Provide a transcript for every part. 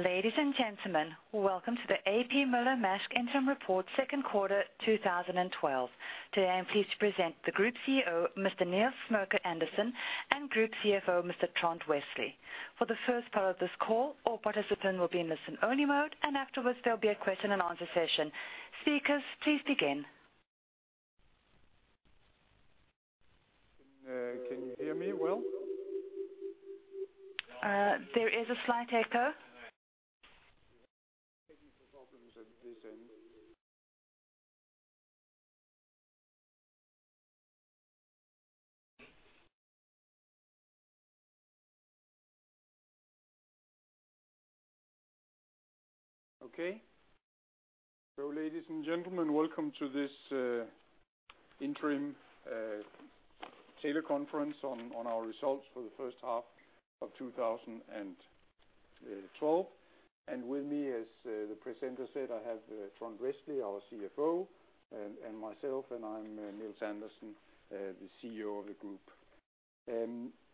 Ladies and gentlemen, welcome to the A.P. Moller - Maersk Interim Report second quarter 2012. Today I'm pleased to present the Group CEO, Mr. Nils Smedegaard Andersen, and Group CFO, Mr. Trond Westlie. For the first part of this call, all participants will be in listen-only mode, and afterwards there'll be a question and answer session. Speakers, please begin. Can you hear me well? There is a slight echo. Technical problems at this end. Okay. Ladies and gentlemen, welcome to this interim teleconference on our results for the first half of 2012. With me as the presenter said, I have Trond Westlie, our CFO, and myself, and I'm Nils Smedegaard Andersen, the CEO of the group.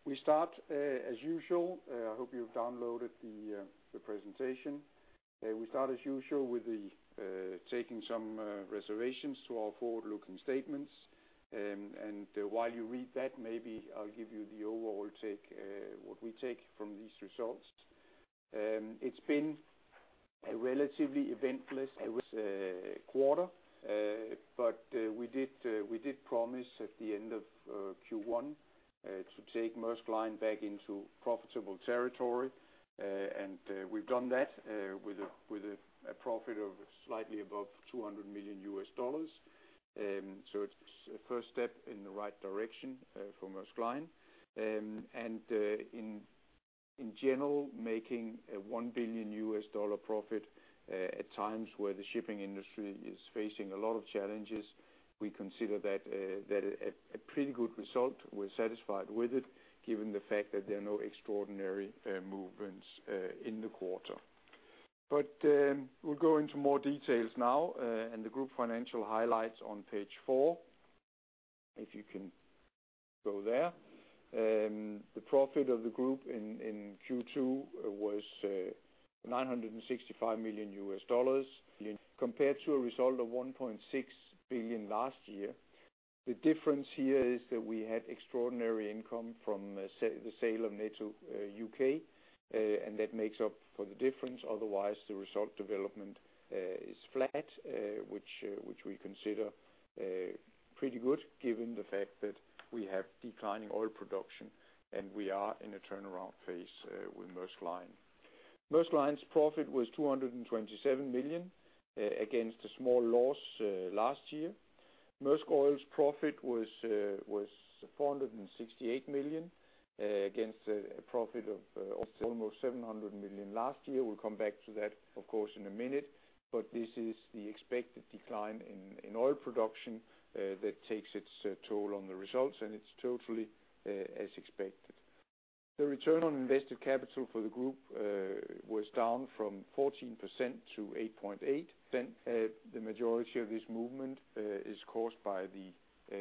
We start as usual. I hope you've downloaded the presentation. We start as usual with taking some reservations to our forward-looking statements. While you read that, maybe I'll give you the overall take what we take from these results. It's been a relatively eventless quarter, but we did promise at the end of Q1 to take Maersk Line back into profitable territory, and we've done that with a profit of slightly above $200 million. It's a first step in the right direction for Maersk Line. In general, making a $1 billion profit at times where the shipping industry is facing a lot of challenges, we consider that a pretty good result. We're satisfied with it given the fact that there are no extraordinary movements in the quarter. We'll go into more details now, and the group financial highlights on page four. If you can go there. The profit of the group in Q2 was $965 million compared to a result of $1.6 billion last year. The difference here is that we had extraordinary income from the sale of Netto UK, and that makes up for the difference. Otherwise, the result development is flat, which we consider pretty good given the fact that we have declining oil production, and we are in a turnaround phase with Maersk Line. Maersk Line's profit was $227 million against a small loss last year. Maersk Oil's profit was $468 million against a profit of almost $700 million last year. We'll come back to that of course in a minute. This is the expected decline in oil production that takes its toll on the results, and it's totally as expected. The return on invested capital for the group was down from 14% to 8.8%. The majority of this movement is caused by the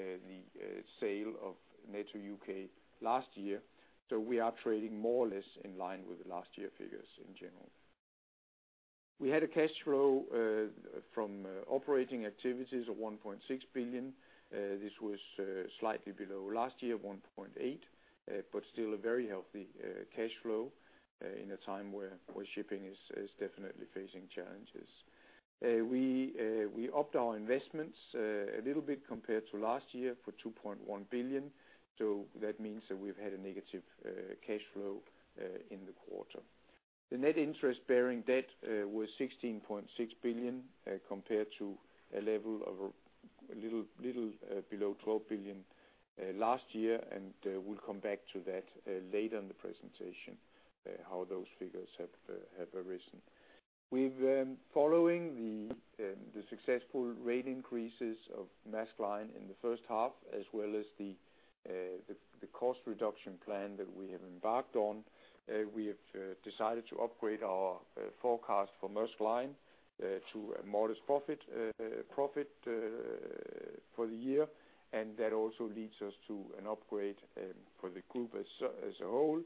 sale of Netto UK last year. We are trading more or less in line with the last year figures in general. We had a cash flow from operating activities of $1.6 billion. This was slightly below last year, $1.8 billion, but still a very healthy cash flow in a time where shipping is definitely facing challenges. We upped our investments a little bit compared to last year for $2.1 billion. That means that we've had a negative cash flow in the quarter. The net interest-bearing debt was $16.6 billion compared to a level of a little below $12 billion last year, and we'll come back to that later in the presentation how those figures have arisen. We've been following the successful rate increases of Maersk Line in the first half, as well as the cost reduction plan that we have embarked on. We have decided to upgrade our forecast for Maersk Line to a modest profit for the year. That also leads us to an upgrade for the group as a whole.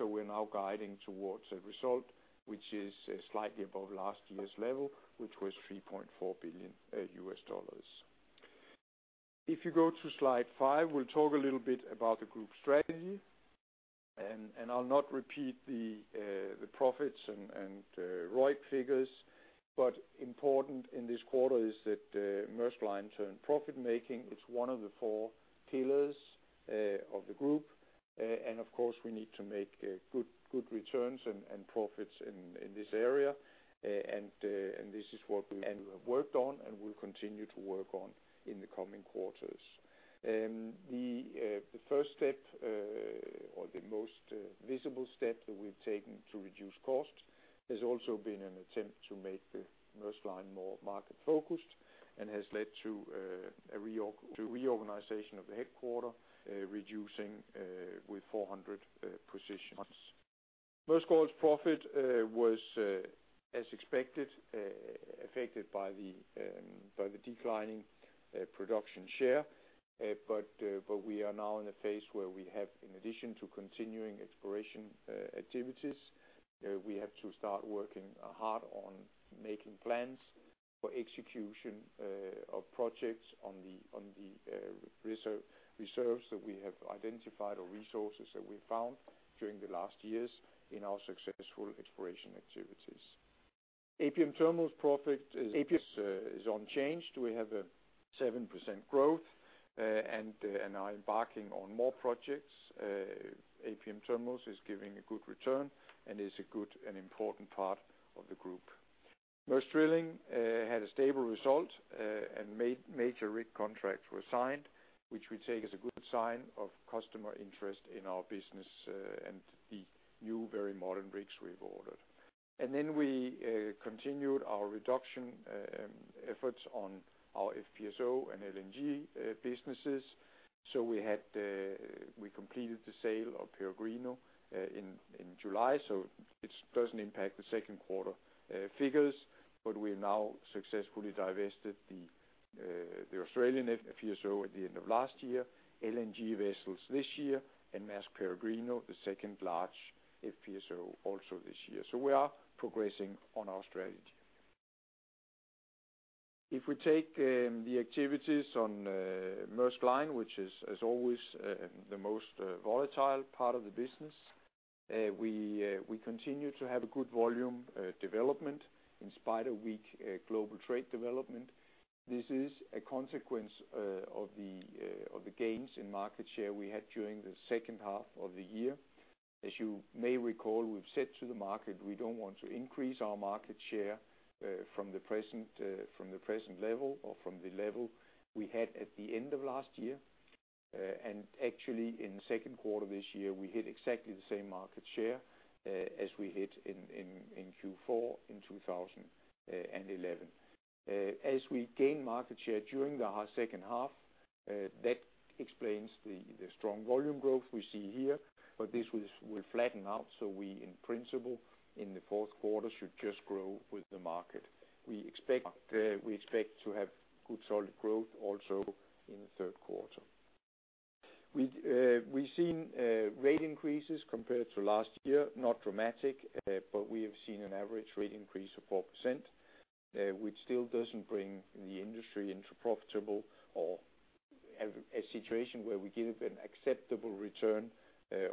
We're now guiding towards a result which is slightly above last year's level, which was $3.4 billion. If you go to slide five, we'll talk a little bit about the group strategy. I'll not repeat the profits and ROIC figures, but important in this quarter is that Maersk Line turned profit making. It's one of the four pillars of the group. Of course we need to make good returns and profits in this area. This is what we have worked on and will continue to work on in the coming quarters. The first step, or the most visible step that we've taken to reduce costs has also been an attempt to make the Maersk Line more market-focused and has led to a reorganization of the headquarters, reducing 400 positions. Maersk Oil's profit was as expected affected by the declining production share. We are now in a phase where we have, in addition to continuing exploration activities, we have to start working hard on making plans for execution of projects on the reserves that we have identified, or resources that we've found during the last years in our successful exploration activities. APM Terminals' profit is unchanged. We have a 7% growth and are embarking on more projects. APM Terminals is giving a good return, and is a good and important part of the group. Maersk Drilling had a stable result. Major rig contracts were signed, which we take as a good sign of customer interest in our business, and the new, very modern rigs we've ordered. We continued our reduction efforts on our FPSO and LNG businesses. We completed the sale of Peregrino in July. It doesn't impact the second quarter figures. We now successfully divested the Australian FPSO at the end of last year, LNG vessels this year, and Maersk Peregrino, the second large FPSO, also this year. We are progressing on our strategy. If we take the activities on Maersk Line, which is, as always, the most volatile part of the business, we continue to have a good volume development in spite of weak global trade development. This is a consequence of the gains in market share we had during the second half of the year. As you may recall, we've said to the market, we don't want to increase our market share from the present level or from the level we had at the end of last year. Actually, in the second quarter this year, we hit exactly the same market share as we hit in Q4 in 2011. As we gain market share during the second half, that explains the strong volume growth we see here. This will flatten out. We, in principle, in the fourth quarter should just grow with the market. We expect to have good solid growth also in the third quarter. We've seen rate increases compared to last year, not dramatic, but we have seen an average rate increase of 4%. Which still doesn't bring the industry into profitable or even a situation where we give an acceptable return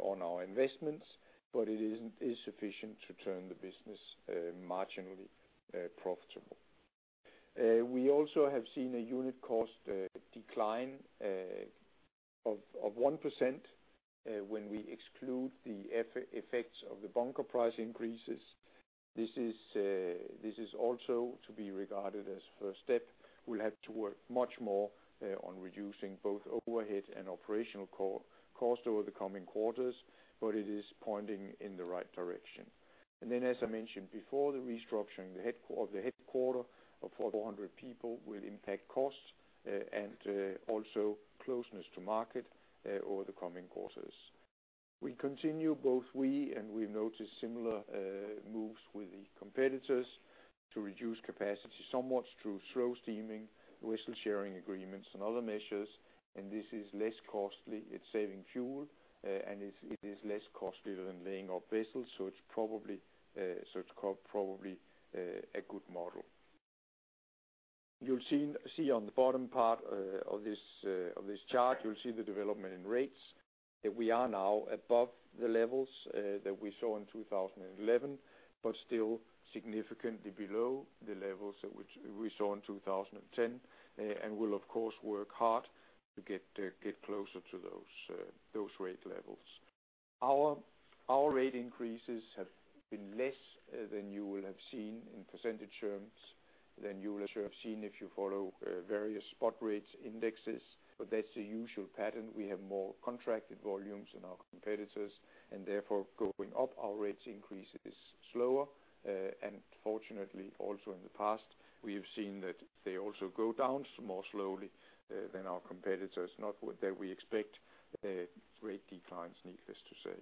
on our investments, but it is sufficient to turn the business marginally profitable. We also have seen a unit cost decline of 1% when we exclude the effects of the bunker price increases. This is also to be regarded as first step. We'll have to work much more on reducing both overhead and operational cost over the coming quarters, but it is pointing in the right direction. Then as I mentioned before, the restructuring of the headquarters of 400 people will impact costs and also closeness to market over the coming quarters. We continue, and we've noticed similar moves with the competitors to reduce capacity somewhat through slow steaming, vessel-sharing agreements, and other measures. This is less costly. It's saving fuel, and it is less costly than laying up vessels, so it's probably a good model. You'll see on the bottom part of this chart, you'll see the development in rates, that we are now above the levels that we saw in 2011, but still significantly below the levels that we saw in 2010. We'll of course work hard to get closer to those rate levels. Our rate increases have been less than you will have seen in percentage terms, than you will have seen if you follow various spot rates indexes, but that's the usual pattern. We have more contracted volumes than our competitors and therefore going up our rates increases slower. Fortunately, also in the past, we have seen that they also go down more slowly than our competitors. Not that we expect rate declines, needless to say.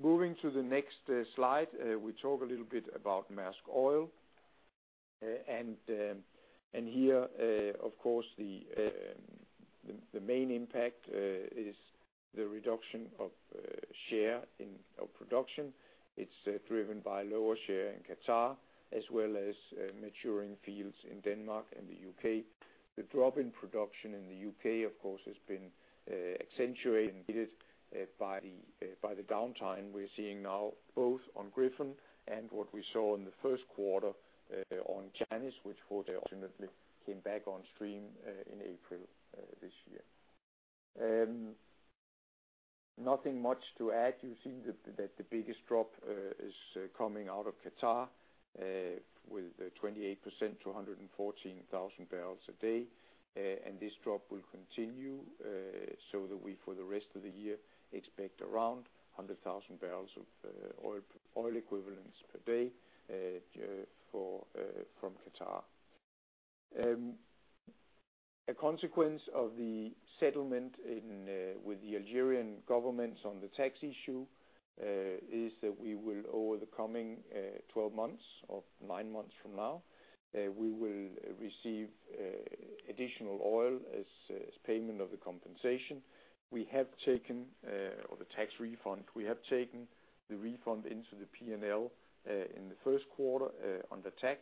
Moving to the next slide. We talk a little bit about Maersk Oil. Here, of course, the main impact is the reduction of share in production. It's driven by lower share in Qatar, as well as maturing fields in Denmark and the U.K. The drop in production in the U.K., of course, has been accentuated by the downtime we're seeing now, both on Gryphon and what we saw in the first quarter on Janice, which, fortunately, came back on stream in April this year. Nothing much to add. You've seen that the biggest drop is coming out of Qatar with 28% to 114,000 barrels a day. This drop will continue, so that we, for the rest of the year, expect around 100,000 barrels of oil equivalents per day from Qatar. A consequence of the settlement with the Algerian government on the tax issue is that we will, over the coming 12 months or nine months from now, receive additional oil as payment of the compensation. We have taken the refund into the P&L in the first quarter on the tax.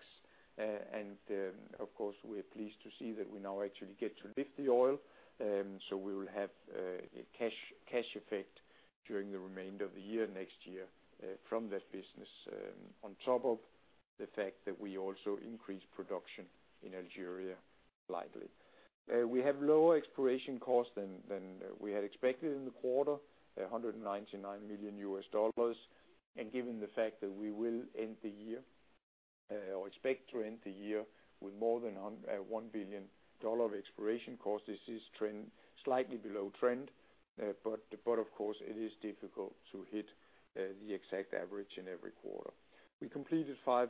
Of course, we are pleased to see that we now actually get to lift the oil. We will have a cash effect during the remainder of the year, next year, from that business. On top of the fact that we also increased production in Algeria slightly. We have lower exploration costs than we had expected in the quarter, $199 million. Given the fact that we will end the year, or expect to end the year with more than $1 billion of exploration costs, this is slightly below trend. Of course it is difficult to hit the exact average in every quarter. We completed five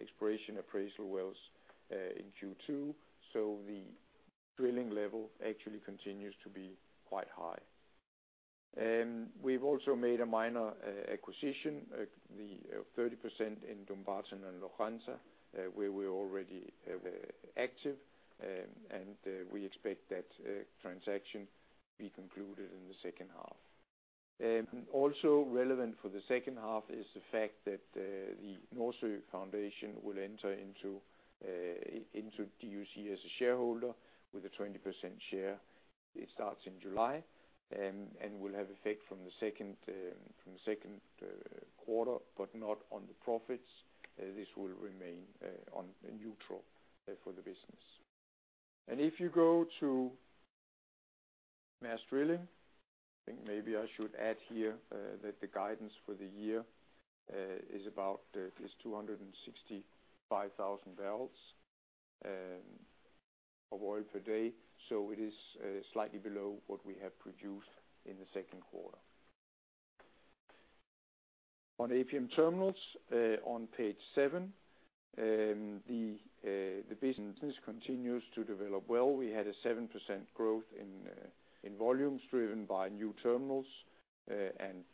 exploration appraisal wells in Q2, so the drilling level actually continues to be quite high. We've also made a minor acquisition, the 30% in Dumbarton and Lochranza, where we already were active. We expect that transaction to be concluded in the second half. Also relevant for the second half is the fact that the Nordsøfonden will enter into DUC as a shareholder with a 20% share. It starts in July and will have effect from the second quarter, but not on the profits. This will remain neutral for the business. If you go to Maersk Drilling, I think maybe I should add here that the guidance for the year is about 265,000 barrels of oil per day. It is slightly below what we have produced in the second quarter. On APM Terminals, on page seven, the business continues to develop well. We had a 7% growth in volumes driven by new terminals and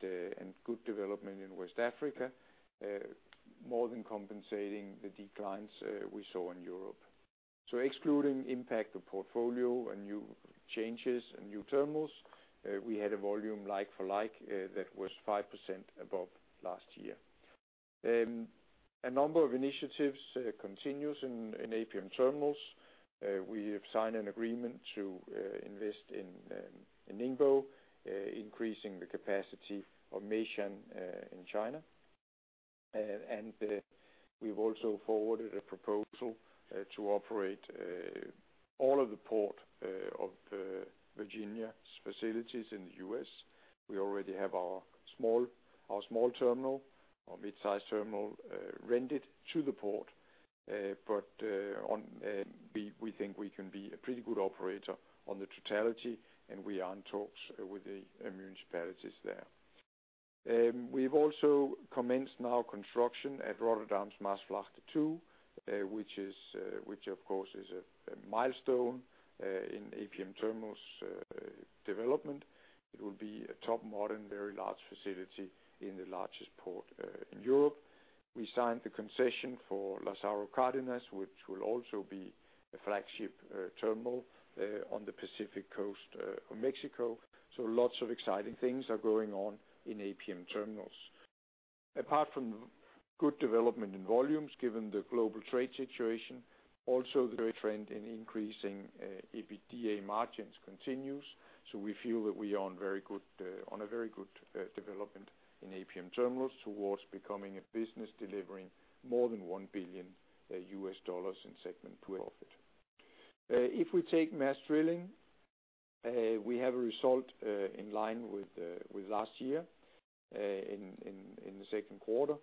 good development in West Africa, more than compensating the declines we saw in Europe. Excluding impact of portfolio and new changes and new terminals, we had a volume like for like that was 5% above last year. A number of initiatives continues in APM Terminals. We have signed an agreement to invest in Ningbo, increasing the capacity of Meishan in China. We've also forwarded a proposal to operate all of the Port of Virginia's facilities in the US. We already have our small terminal or mid-sized terminal rented to the port. We think we can be a pretty good operator on the totality, and we are in talks with the municipalities there. We've also commenced now construction at Rotterdam's Maasvlakte 2, which of course is a milestone in APM Terminals development. It will be a top modern, very large facility in the largest port in Europe. We signed the concession for Lázaro Cárdenas, which will also be a flagship terminal on the Pacific Coast of Mexico. Lots of exciting things are going on in APM Terminals. Apart from good development in volumes, given the global trade situation, also the trend in increasing EBITDA margins continues. We feel that we are on a very good development in APM Terminals towards becoming a business delivering more than $1 billion in segment two profit. If we take Maersk Drilling, we have a result in line with last year in the second quarter.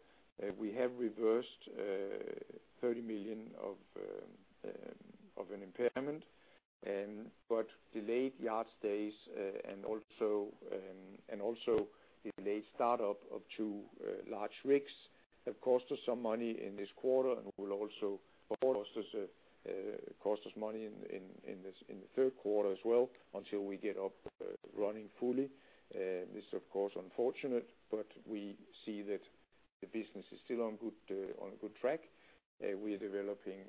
We have reversed $30 million of an impairment. But delayed yard stays and the delayed start-up of two large rigs have cost us some money in this quarter and will also cost us money in the third quarter as well, until we get up running fully. This is of course unfortunate, but we see that the business is still on a good track. We are developing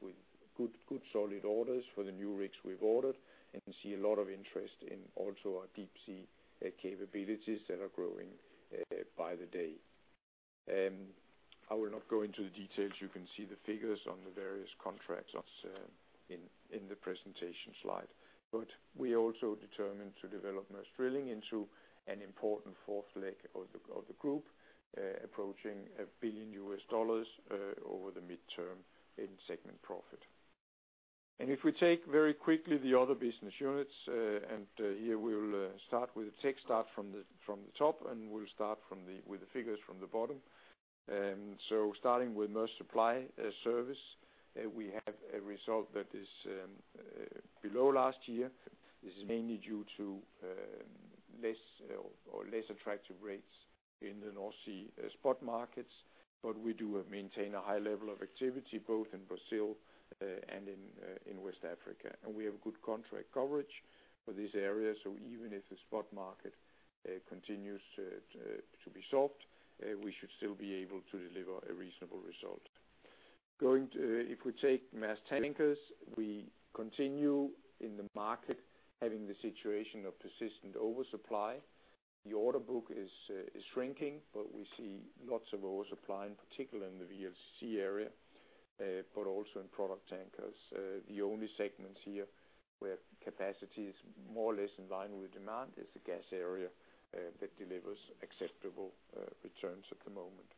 with good solid orders for the new rigs we've ordered and see a lot of interest in also our deep sea capabilities that are growing by the day. I will not go into the details. You can see the figures on the various contracts as in the presentation slide. We are also determined to develop Maersk Drilling into an important fourth leg of the group approaching $1 billion over the midterm in segment profit. If we take very quickly the other business units, here we'll start from the top, and we'll start with the figures from the bottom. Starting with Maersk Supply Service, we have a result that is below last year. This is mainly due to less attractive rates in the North Sea spot markets. We do maintain a high level of activity both in Brazil and in West Africa. We have good contract coverage for these areas. Even if the spot market continues to be soft, we should still be able to deliver a reasonable result. If we take Maersk Tankers, we continue in the market having the situation of persistent oversupply. The order book is shrinking, but we see lots of oversupply, in particular in the VLCC area, but also in product tankers. The only segments here where capacity is more or less in line with demand is the gas area that delivers acceptable returns at the moment.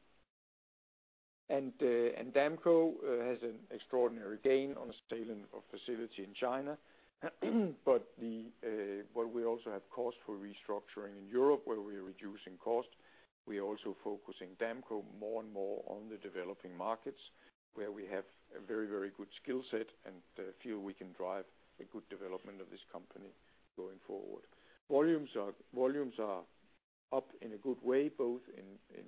Damco has an extraordinary gain on the sale of facility in China. We also have cost for restructuring in Europe where we're reducing cost. We're also focusing Damco more and more on the developing markets where we have a very good skill set and feel we can drive a good development of this company going forward. Volumes are up in a good way, both in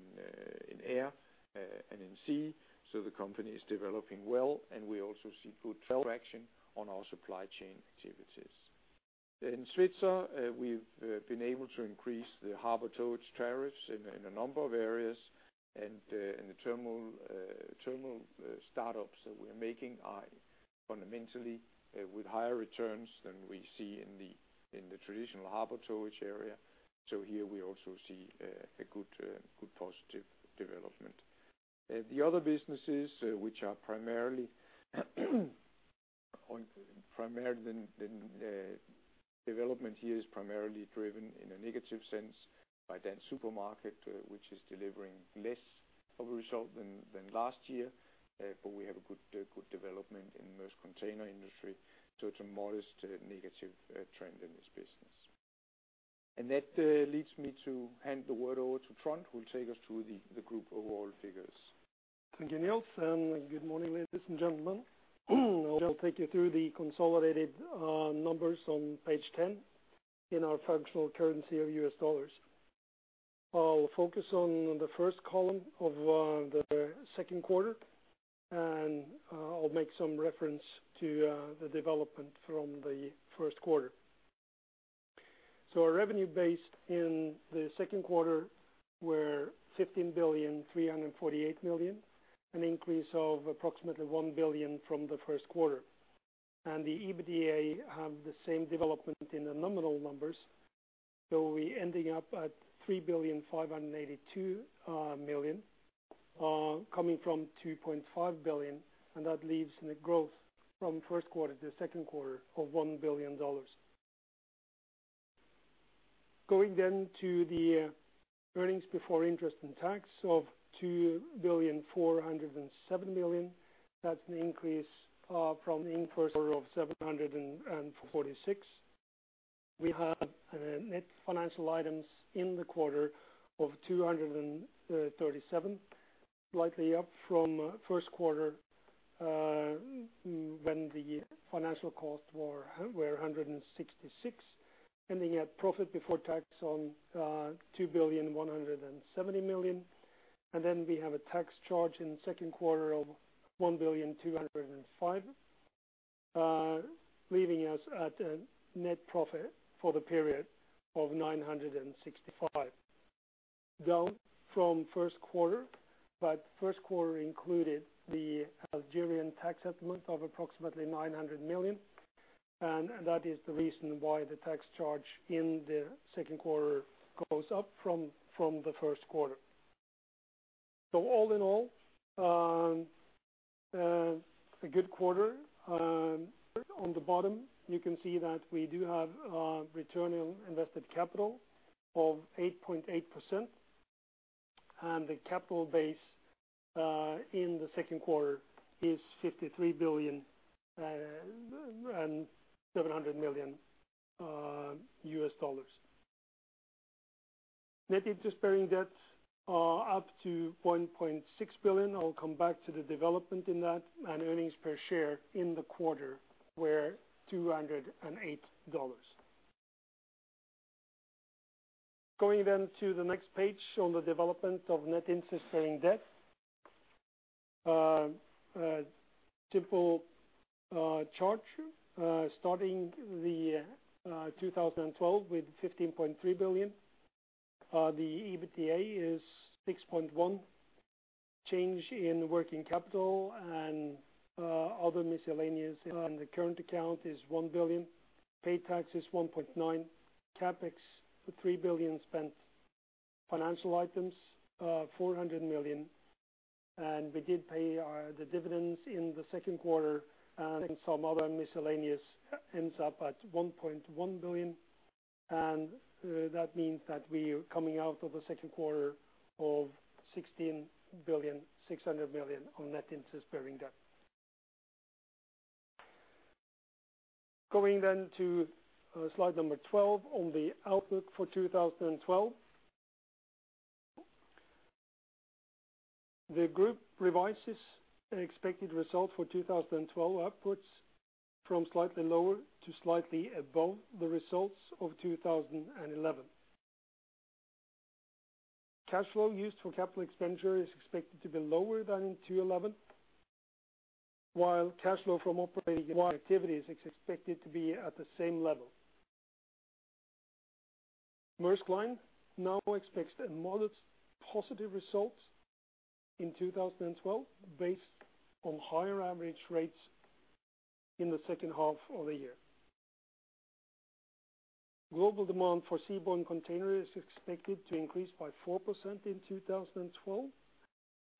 air and in sea, so the company is developing well, and we also see good traction on our supply chain activities. In Svitzer, we've been able to increase the harbor towage tariffs in a number of areas. In the terminal startups that we're making are fundamentally with higher returns than we see in the traditional harbor towage area. Here we also see a good positive development. The other businesses, which are primarily then development here is primarily driven in a negative sense by tankers market, which is delivering less of a result than last year. We have a good development in Maersk Container Industry, so it's a modest negative trend in this business. That leads me to hand the word over to Trond, who will take us through the group overall figures. Thank you, Nils, and good morning, ladies and gentlemen. I'll take you through the consolidated numbers on page 10 in our functional currency of U.S. dollars. I'll focus on the first column of the second quarter, and I'll make some reference to the development from the first quarter. Our revenue base in the second quarter were $15.348 billion, an increase of approximately $1 billion from the first quarter. The EBITDA have the same development in the nominal numbers, so we ending up at $3.582 billion, coming from $2.5 billion, and that leaves net growth from first quarter to second quarter of $1 billion. Going to the earnings before interest and tax of $2.407 billion. That's an increase from the first quarter of $746 million. We have net financial items in the quarter of $237 million, slightly up from first quarter when the financial costs were $166 million. Ending at profit before tax of $2.17 billion. We have a tax charge in the second quarter of $1.205 billion, leaving us at a net profit for the period of $965 million, down from first quarter. First quarter included the Algerian tax settlement of approximately $900 million, and that is the reason why the tax charge in the second quarter goes up from the first quarter. All in all, a good quarter. On the bottom you can see that we do have a return on invested capital of 8.8%, and the capital base in the second quarter is $53.7 billion. Net interest-bearing debt are up to $1.6 billion. I'll come back to the development in that, and earnings per share in the quarter were $208. Going to the next page on the development of net interest-bearing debt. A simple chart starting in 2012 with $15.3 billion. The EBITDA is $6.1 billion. Change in working capital and other miscellaneous in the current account is $1 billion. Tax paid is $1.9 billion. CapEx, $3 billion spent. Financial items, $400 million. We did pay our, the dividends in the second quarter and some other miscellaneous ends up at $1.1 billion. That means that we are coming out of the second quarter of $16.6 billion on net interest-bearing debt. Going then to slide 12 on the outlook for 2012. The group revises expected result for 2012 upwards from slightly lower to slightly above the results of 2011. Cash flow used for capital expenditure is expected to be lower than in 2011, while cash flow from operating activities is expected to be at the same level. Maersk Line now expects a modest positive result in 2012 based on higher average rates in the second half of the year. Global demand for seaborne container is expected to increase by 4% in 2012,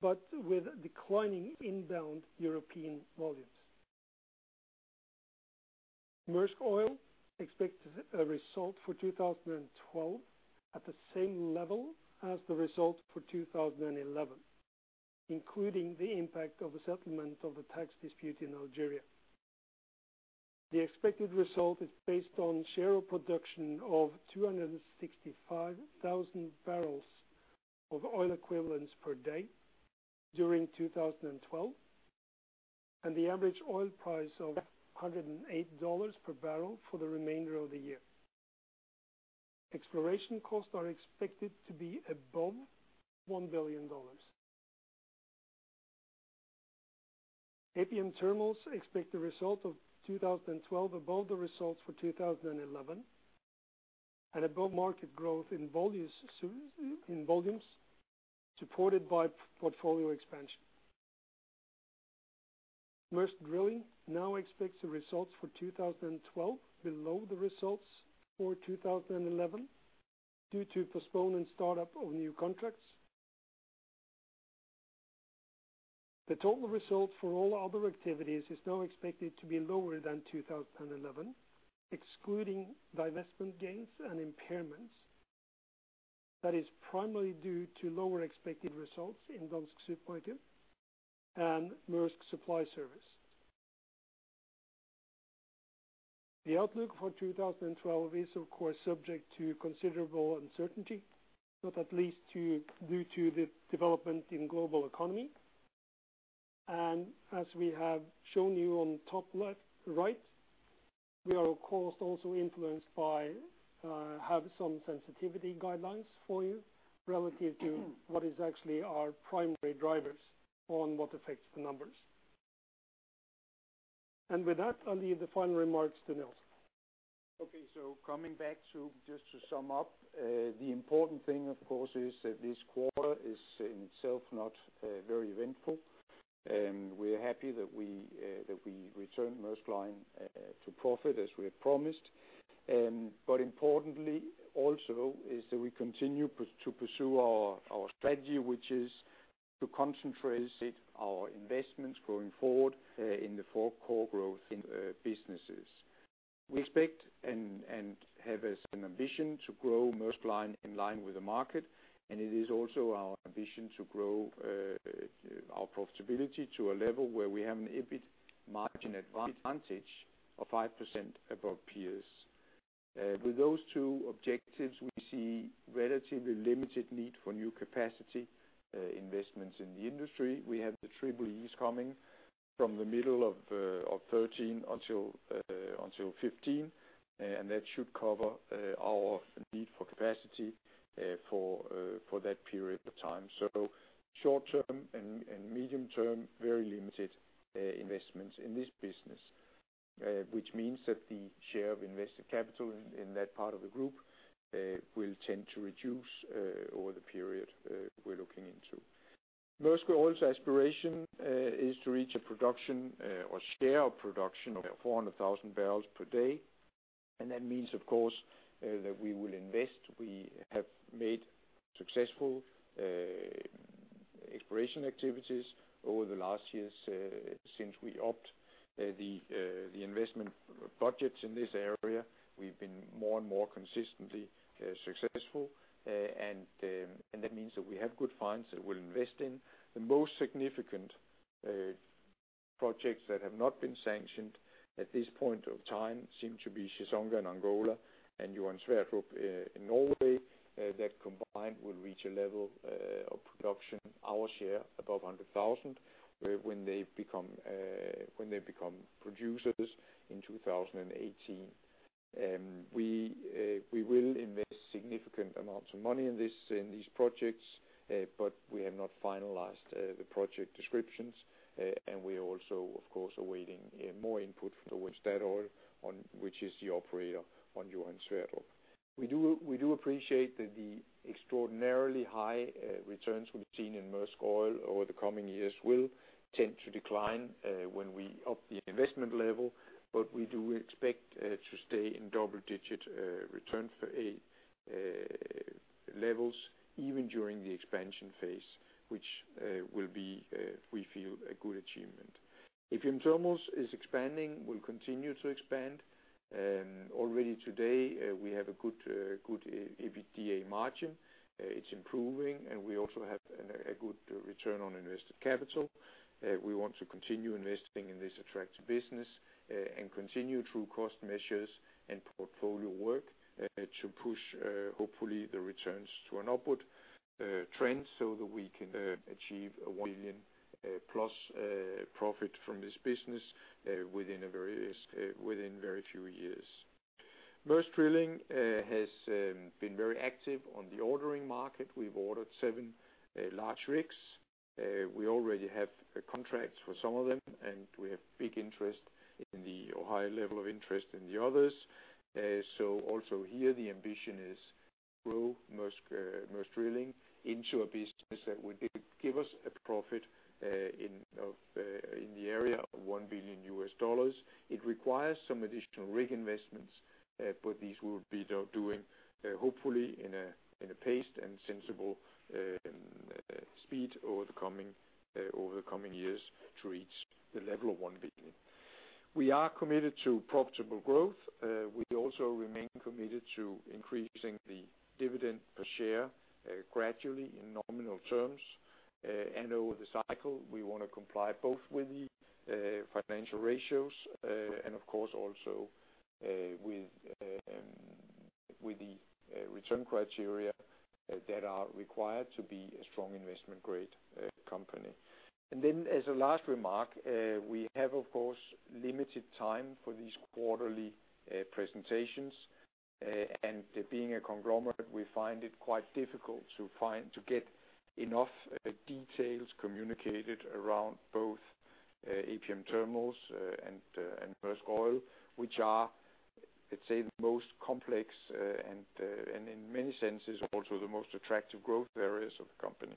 but with declining inbound European volumes. Maersk Oil expects a result for 2012 at the same level as the result for 2011, including the impact of a settlement of the tax dispute in Algeria. The expected result is based on share of production of 265,000 barrels of oil equivalents per day during 2012, and the average oil price of $108 per barrel for the remainder of the year. Exploration costs are expected to be above $1 billion. APM Terminals expect the result of 2012 above the results for 2011 and above market growth in volumes supported by portfolio expansion. Maersk Drilling now expects the results for 2012 below the results for 2011 due to postponed start-up of new contracts. The total result for all other activities is now expected to be lower than 2011, excluding divestment gains and impairments. That is primarily due to lower expected results in Dansk Supermarked and Maersk Supply Service. The outlook for 2012 is of course subject to considerable uncertainty, not least due to the development in global economy. As we have shown you on top left, right, we are of course also influenced by having some sensitivity guidelines for you relative to what is actually our primary drivers on what affects the numbers. With that, I'll leave the final remarks to Nils. Okay. Coming back to, just to sum up, the important thing of course is that this quarter is in itself not very eventful. We're happy that we returned Maersk Line to profit as we had promised. Importantly also is that we continue to pursue our strategy, which is to concentrate our investments going forward in the four core growth businesses. We expect and have as an ambition to grow Maersk Line in line with the market. It is also our ambition to grow our profitability to a level where we have an EBIT margin advantage of 5% above peers. With those two objectives, we see relatively limited need for new capacity investments in the industry. We have the Triple-E's coming from the middle of 2013 until 2015, and that should cover our need for capacity for that period of time. Short term and medium term, very limited investments in this business, which means that the share of invested capital in that part of the group will tend to reduce over the period we're looking into. Maersk Oil's aspiration is to reach a production or share of production of 400,000 barrels per day. That means, of course, that we will invest. We have made successful exploration activities over the last years since we upped the investment budgets in this area. We've been more and more consistently successful, and that means that we have good funds that we'll invest in. The most significant projects that have not been sanctioned at this point of time seem to be Chissonga in Angola and Johan Sverdrup in Norway that combined will reach a level of production, our share above 100,000, when they become producers in 2018. We will invest significant amounts of money in these projects, but we have not finalized the project descriptions. We are also, of course, awaiting more input towards Statoil, which is the operator on Johan Sverdrup. We do appreciate that the extraordinarily high returns we've seen in Maersk Oil over the coming years will tend to decline when we up the investment level, but we do expect to stay in double digit return levels even during the expansion phase, which will be we feel a good achievement. APM Terminals is expanding, we'll continue to expand. Already today we have a good EBITDA margin. It's improving, and we also have a good return on invested capital. We want to continue investing in this attractive business, and continue through cost measures and portfolio work, to push, hopefully the returns to an upward trend so that we can achieve a $1 billion+ profit from this business, within very few years. Maersk Drilling has been very active on the ordering market. We've ordered seven large rigs. We already have contracts for some of them, and we have big interest in the, or high level of interest in the others. Also here, the ambition is grow Maersk Drilling into a business that would give us a profit in the area of $1 billion. It requires some additional rig investments, but these we'll be doing, hopefully in a paced and sensible speed over the coming years to reach the level of $1 billion. We are committed to profitable growth. We also remain committed to increasing the dividend per share, gradually in nominal terms. Over the cycle, we wanna comply both with the financial ratios and of course also with the return criteria that are required to be a strong investment grade company. As a last remark, we have, of course, limited time for these quarterly presentations. Being a conglomerate, we find it quite difficult to get enough details communicated around both APM Terminals and Maersk Oil, which are, let's say, the most complex and in many senses, also the most attractive growth areas of the company.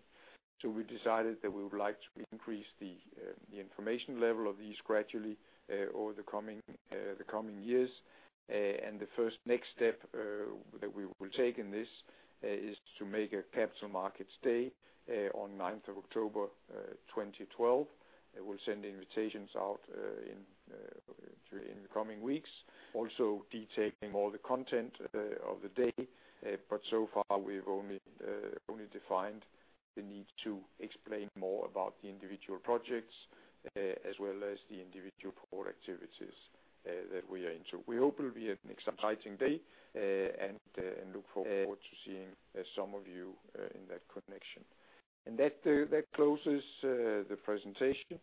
We decided that we would like to increase the information level of these gradually over the coming years. The first next step that we will take in this is to make a capital markets day on ninth of October 2012. We'll send invitations out during the coming weeks, also detailing all the content of the day. So far we've only defined the need to explain more about the individual projects, as well as the individual core activities, that we are into. We hope it'll be an exciting day, and look forward to seeing some of you in that connection. That closes the presentation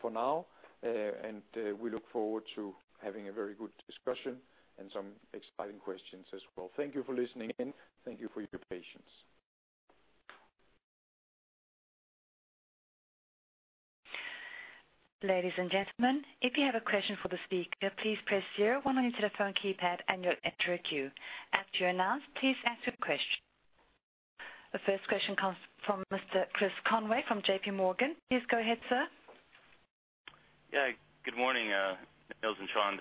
for now. We look forward to having a very good discussion and some exciting questions as well. Thank you for listening in. Thank you for your patience. Ladies and gentlemen, if you have a question for the speaker, please press zero one on your telephone keypad, and you'll enter a queue. After you're announced, please ask your question. The first question comes from Mr. Chris Sherrington from J.P. Morgan. Please go ahead, sir. Yeah. Good morning, Nils and TRond.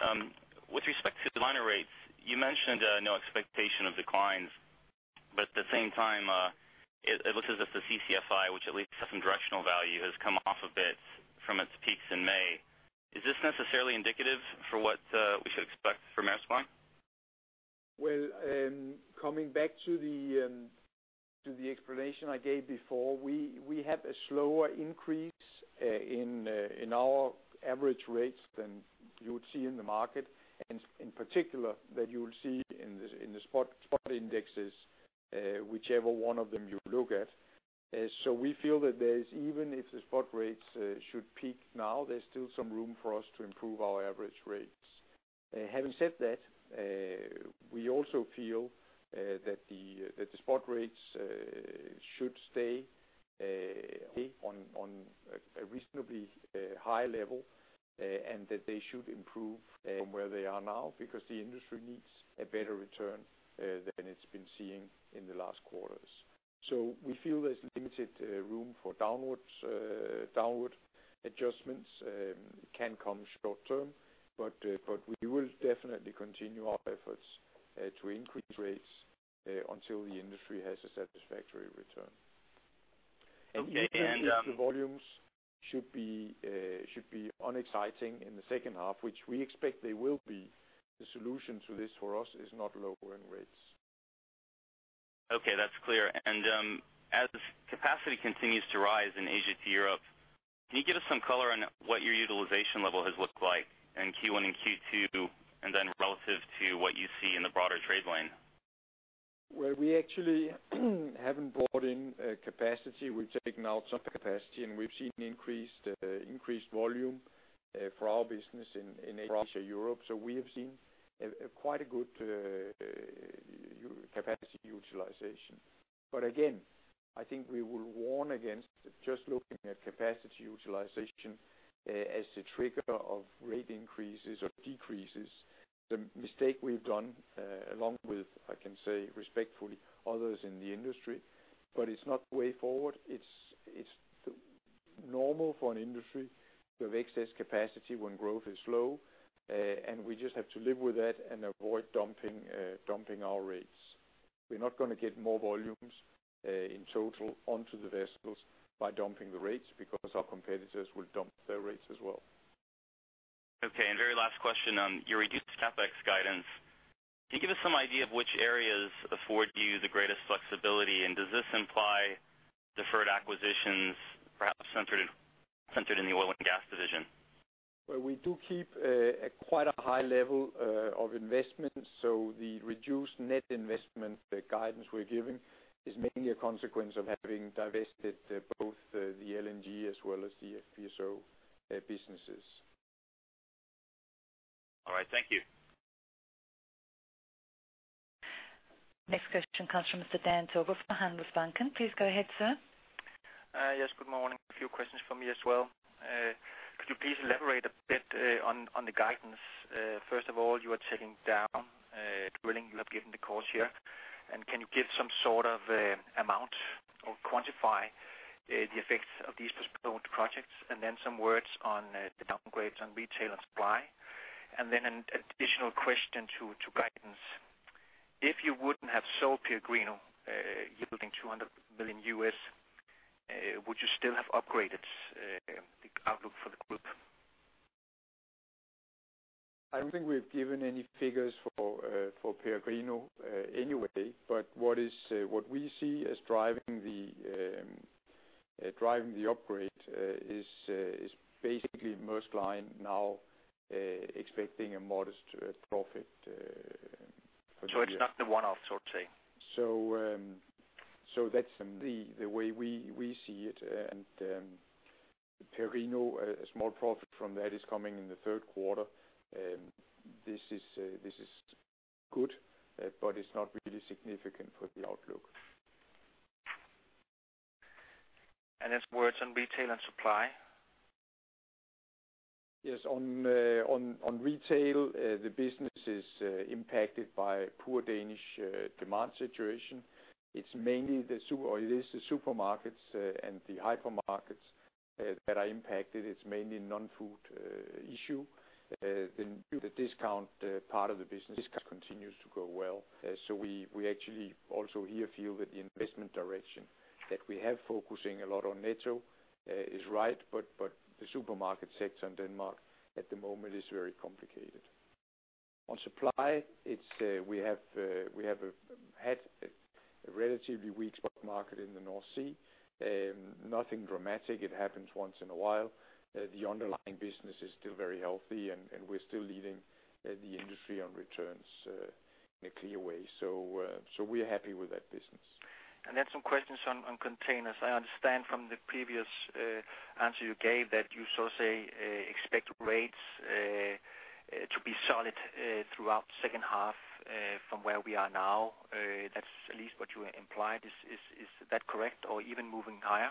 With respect to minor rates, you mentioned no expectation of declines, but at the same time, it looks as if the CCFI, which at least has some directional value, has come off a bit from its peaks in May. Is this necessarily indicative for what we should expect from Maersk Supply? Coming back to the explanation I gave before, we have a slower increase in our average rates than you would see in the market. In particular, that you will see in the spot indexes, whichever one of them you look at. We feel that there is, even if the spot rates should peak now, there's still some room for us to improve our average rates. Having said that, we also feel that the spot rates should stay on a reasonably high level, and that they should improve from where they are now because the industry needs a better return than it's been seeing in the last quarters. We feel there's limited room for downward adjustments in the short term, but we will definitely continue our efforts to increase rates until the industry has a satisfactory return. Okay. Even if the volumes should be unexciting in the second half, which we expect they will be, the solution to this for us is not lowering rates. Okay, that's clear. As capacity continues to rise in Asia to Europe, can you give us some color on what your utilization level has looked like in Q1 and Q2, and then relative to what you see in the broader trade lane? Well, we actually haven't brought in capacity. We've taken out some capacity, and we've seen increased volume for our business in Asia, Europe. We have seen a quite good capacity utilization. Again, I think we will warn against just looking at capacity utilization as the trigger of rate increases or decreases. The mistake we've done along with, I can say respectfully, others in the industry, but it's not the way forward. It's normal for an industry to have excess capacity when growth is slow. We just have to live with that and avoid dumping our rates. We're not gonna get more volumes in total onto the vessels by dumping the rates because our competitors will dump their rates as well. Okay. Very last question on your reduced CapEx guidance. Can you give us some idea of which areas afford you the greatest flexibility? Does this imply deferred acquisitions perhaps centered in the oil and gas division? Well, we do keep quite a high level of investment, so the reduced net investment guidance we're giving is mainly a consequence of having divested both the LNG as well as the FPSO businesses. All right. Thank you. Next question comes from Mr. Dan Togo from Handelsbanken. Please go ahead, sir. Yes, good morning. A few questions from me as well. Could you please elaborate a bit on the guidance? First of all, you are taking down drilling. You have given the cause here. Can you give some sort of amount or quantify the effects of these postponed projects? Some words on the downgrades on retail and supply. An additional question to guidance. If you wouldn't have sold Peregrino, yielding $200 million, would you still have upgraded the outlook for the group? I don't think we've given any figures for Peregrino anyway. What we see as driving the upgrade is basically Maersk Line now expecting a modest profit for the year. It's not the one-off sort, say? That's the way we see it. Peregrino, a small profit from that is coming in the third quarter. This is good, but it's not really significant for the outlook. Some words on retail and supply. Yes. On retail, the business is impacted by poor Danish demand situation. It's mainly the supermarkets and the hypermarkets that are impacted. It's mainly non-food issue. The discount part of the business continues to go well. We actually also here feel that the investment direction that we have focusing a lot on Netto is right, but the supermarket sector in Denmark at the moment is very complicated. On supply, it's we have had a relatively weak spot market in the North Sea. Nothing dramatic. It happens once in a while. The underlying business is still very healthy, and we're still leading the industry on returns, in a clear way. We're happy with that business. Some questions on containers. I understand from the previous answer you gave that you expect rates to be solid throughout second half from where we are now. That's at least what you implied. Is that correct, or even moving higher?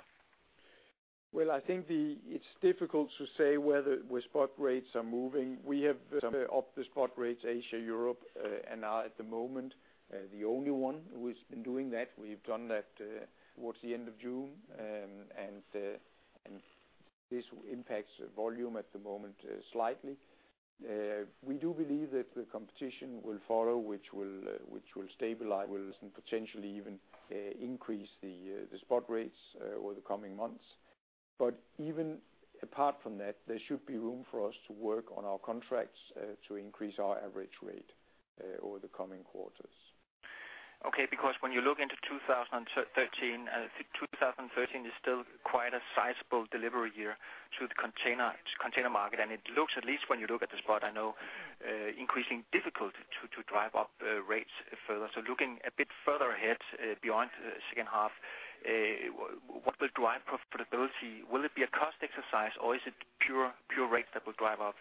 Well, I think it's difficult to say where spot rates are moving. We have some of the spot rates Asia-Europe and are at the moment the only one who has been doing that. We've done that towards the end of June. This impacts volume at the moment slightly. We do believe that the competition will follow, which will stabilize and potentially even increase the spot rates over the coming months. Even apart from that, there should be room for us to work on our contracts to increase our average rate over the coming quarters. Okay. Because when you look into 2013 is still quite a sizable delivery year to the container market. It looks, at least when you look at the spot, increasing difficulty to drive up rates further. Looking a bit further ahead, beyond second half, what will drive profitability? Will it be a cost exercise, or is it pure rates that will drive up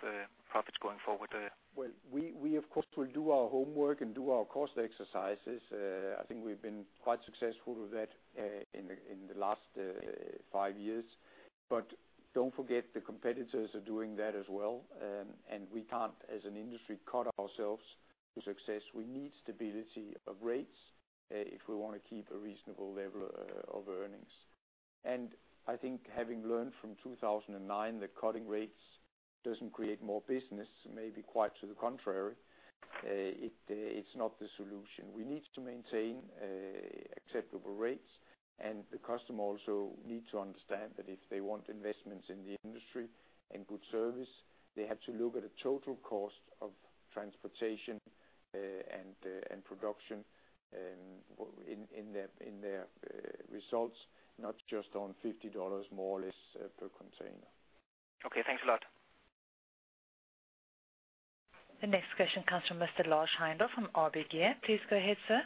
profits going forward? Well, we of course will do our homework and do our cost exercises. I think we've been quite successful with that, in the last five years. But don't forget, the competitors are doing that as well. We can't, as an industry, cut ourselves to success. We need stability of rates, if we wanna keep a reasonable level, of earnings. I think having learned from 2009 that cutting rates doesn't create more business, maybe quite to the contrary, it's not the solution. We need to maintain acceptable rates, and the customer also need to understand that if they want investments in the industry and good service, they have to look at the total cost of transportation and production in their results, not just on $50 more or less per container. Okay. Thanks a lot. The next question comes from Mr. Lars Heindorff from ABG. Please go ahead, sir.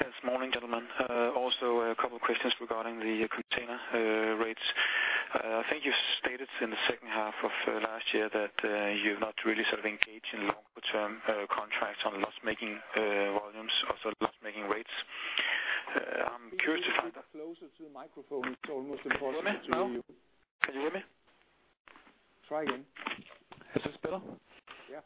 Yes. Morning, gentlemen. Also a couple questions regarding the container rates. I think you stated in the second half of last year that you've not really sort of engaged in longer term contracts on loss making volumes, also loss making rates. I'm curious if- Please speak up closer to the microphone. It's almost impossible to hear you. Can you hear me now? Can you hear me? Try again. Is this better? Yeah.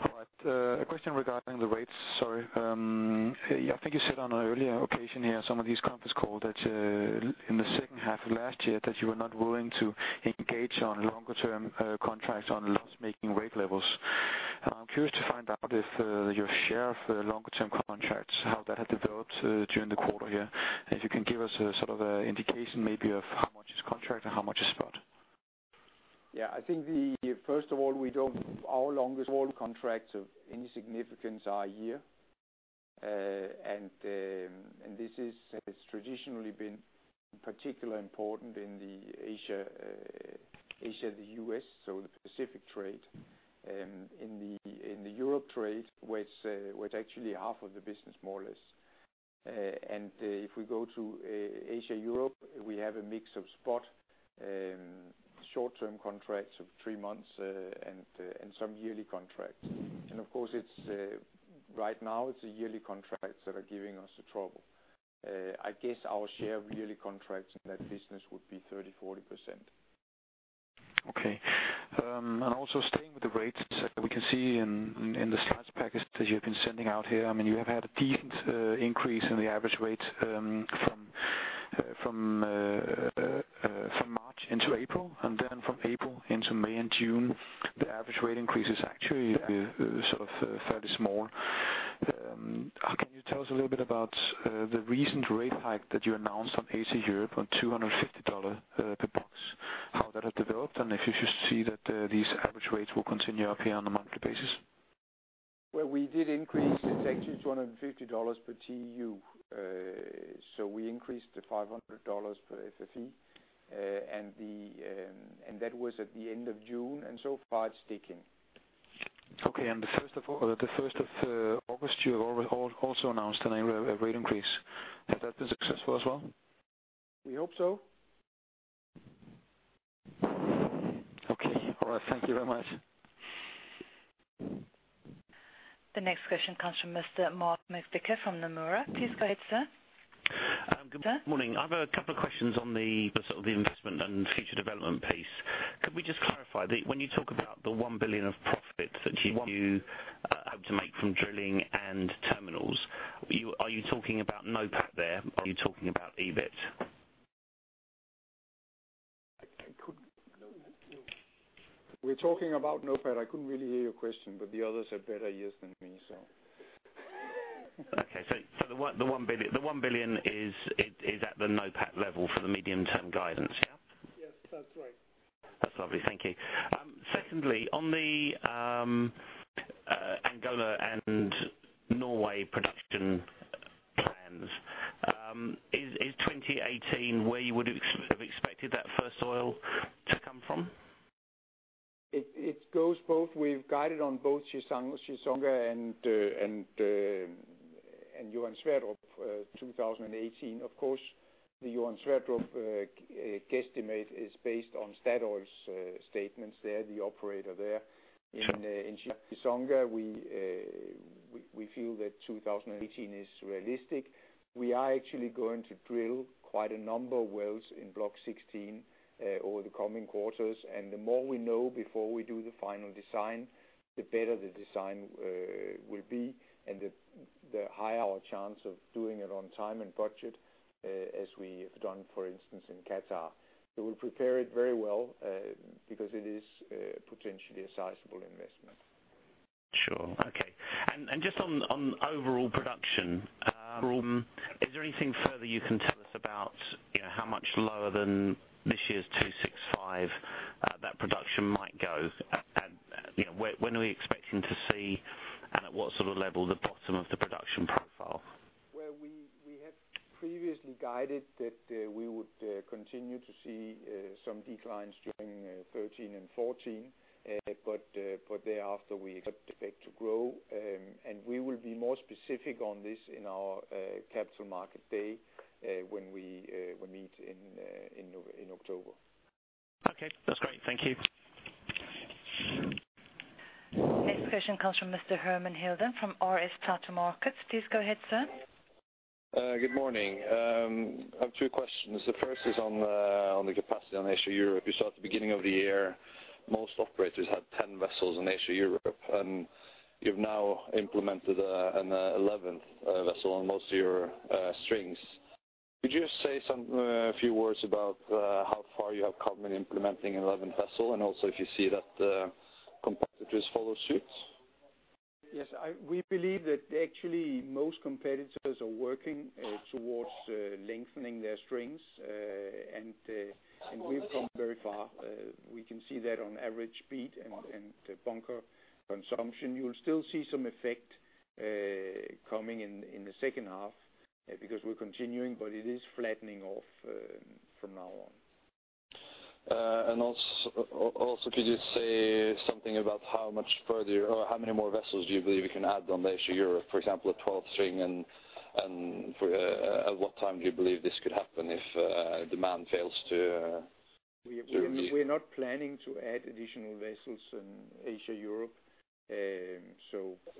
All right. A question regarding the rates, sorry. I think you said on an earlier occasion here, some of these conference call, that in the second half of last year, that you were not willing to engage on longer term contracts on loss making rate levels. I'm curious to find out if your share of longer term contracts, how that had developed during the quarter year. If you can give us a sort of an indication maybe of how much is contract and how much is spot. Yeah, I think. First of all, we don't, our longest of all contracts of any significance are a year. This has traditionally been particularly important in the Asia, the US, so the Pacific trade. In the Europe trade, which was actually half of the business more or less. If we go to Asia, Europe, we have a mix of spot, short-term contracts of three months, and some yearly contracts. Of course it's right now it's the yearly contracts that are giving us the trouble. I guess our share of yearly contracts in that business would be 30% to 40%. Okay. Also staying with the rates, we can see in the slides package that you've been sending out here, I mean, you have had a decent increase in the average rate from March into April. From April into May and June, the average rate increase is actually sort of fairly small. Can you tell us a little bit about the recent rate hike that you announced on Asia Europe on $250 per box, how that had developed, and if you just see that these average rates will continue up here on a monthly basis? We did increase. It's actually $250 per TEU. We increased to $500 per FEU. That was at the end of June, and so far it's sticking. Okay. The first of August, you also announced another rate increase. Has that been successful as well? We hope so. Okay. All right. Thank you very much. The next question comes from Mr. Mark McVicar from Nomura. Please go ahead, sir. Good morning. I have a couple of questions on the sort of investment and future development piece. Could we just clarify that when you talk about the $1 billion of profits that you- One- Hope to make from drilling and terminals? Are you talking about NOPAT there? Are you talking about EBIT? We're talking about NOPAT. I couldn't really hear your question, but the others have better ears than me, so. Okay. For the $1 billion is at the NOPAT level for the medium-term guidance, yeah? Yes, that's right. That's lovely. Thank you. Secondly, on the Angola and Norway production plans, is 2018 where you would have sort of expected that first oil to come from? It goes both. We've guided on both Chissonga and Johan Sverdrup, 2018. Of course, the Johan Sverdrup estimate is based on Statoil's statements there, the operator there. In Chissonga we feel that 2018 is realistic. We are actually going to drill quite a number of wells in Block 16 over the coming quarters. The more we know before we do the final design, the better the design will be and the higher our chance of doing it on time and budget, as we have done, for instance, in Qatar. We'll prepare it very well, because it is potentially a sizable investment. Sure. Okay. Just on overall production, is there anything further you can tell us about, you know, how much lower than this year's 265, that production might go? You know, when are we expecting to see, and at what sort of level, the bottom of the production profile? Well, we had previously guided that we would continue to see some declines during 2013 and 2014, but thereafter we expect it to grow. We will be more specific on this in our Capital Markets Day, when we meet in October. Okay. That's great. Thank you. Next question comes from Mr. Herman Hildan from RS Platou Markets. Please go ahead, sir. Good morning. I have two questions. The first is on the capacity on Asia-Europe. You saw at the beginning of the year, most operators had 10 vessels in Asia-Europe, and you've now implemented an eleventh vessel on most of your strings. Could you say a few words about how far you have come in implementing eleventh vessel, and also if you see that competitors follow suit? Yes. We believe that actually most competitors are working towards lengthening their strings. We've come very far. We can see that on average speed and bunker consumption. You'll still see some effect coming in the second half because we're continuing, but it is flattening off from now on. Also could you say something about how much further or how many more vessels do you believe you can add on the Asia Europe? For example, a twelfth string and for at what time do you believe this could happen if demand fails to relieve? We're not planning to add additional vessels in Asia Europe.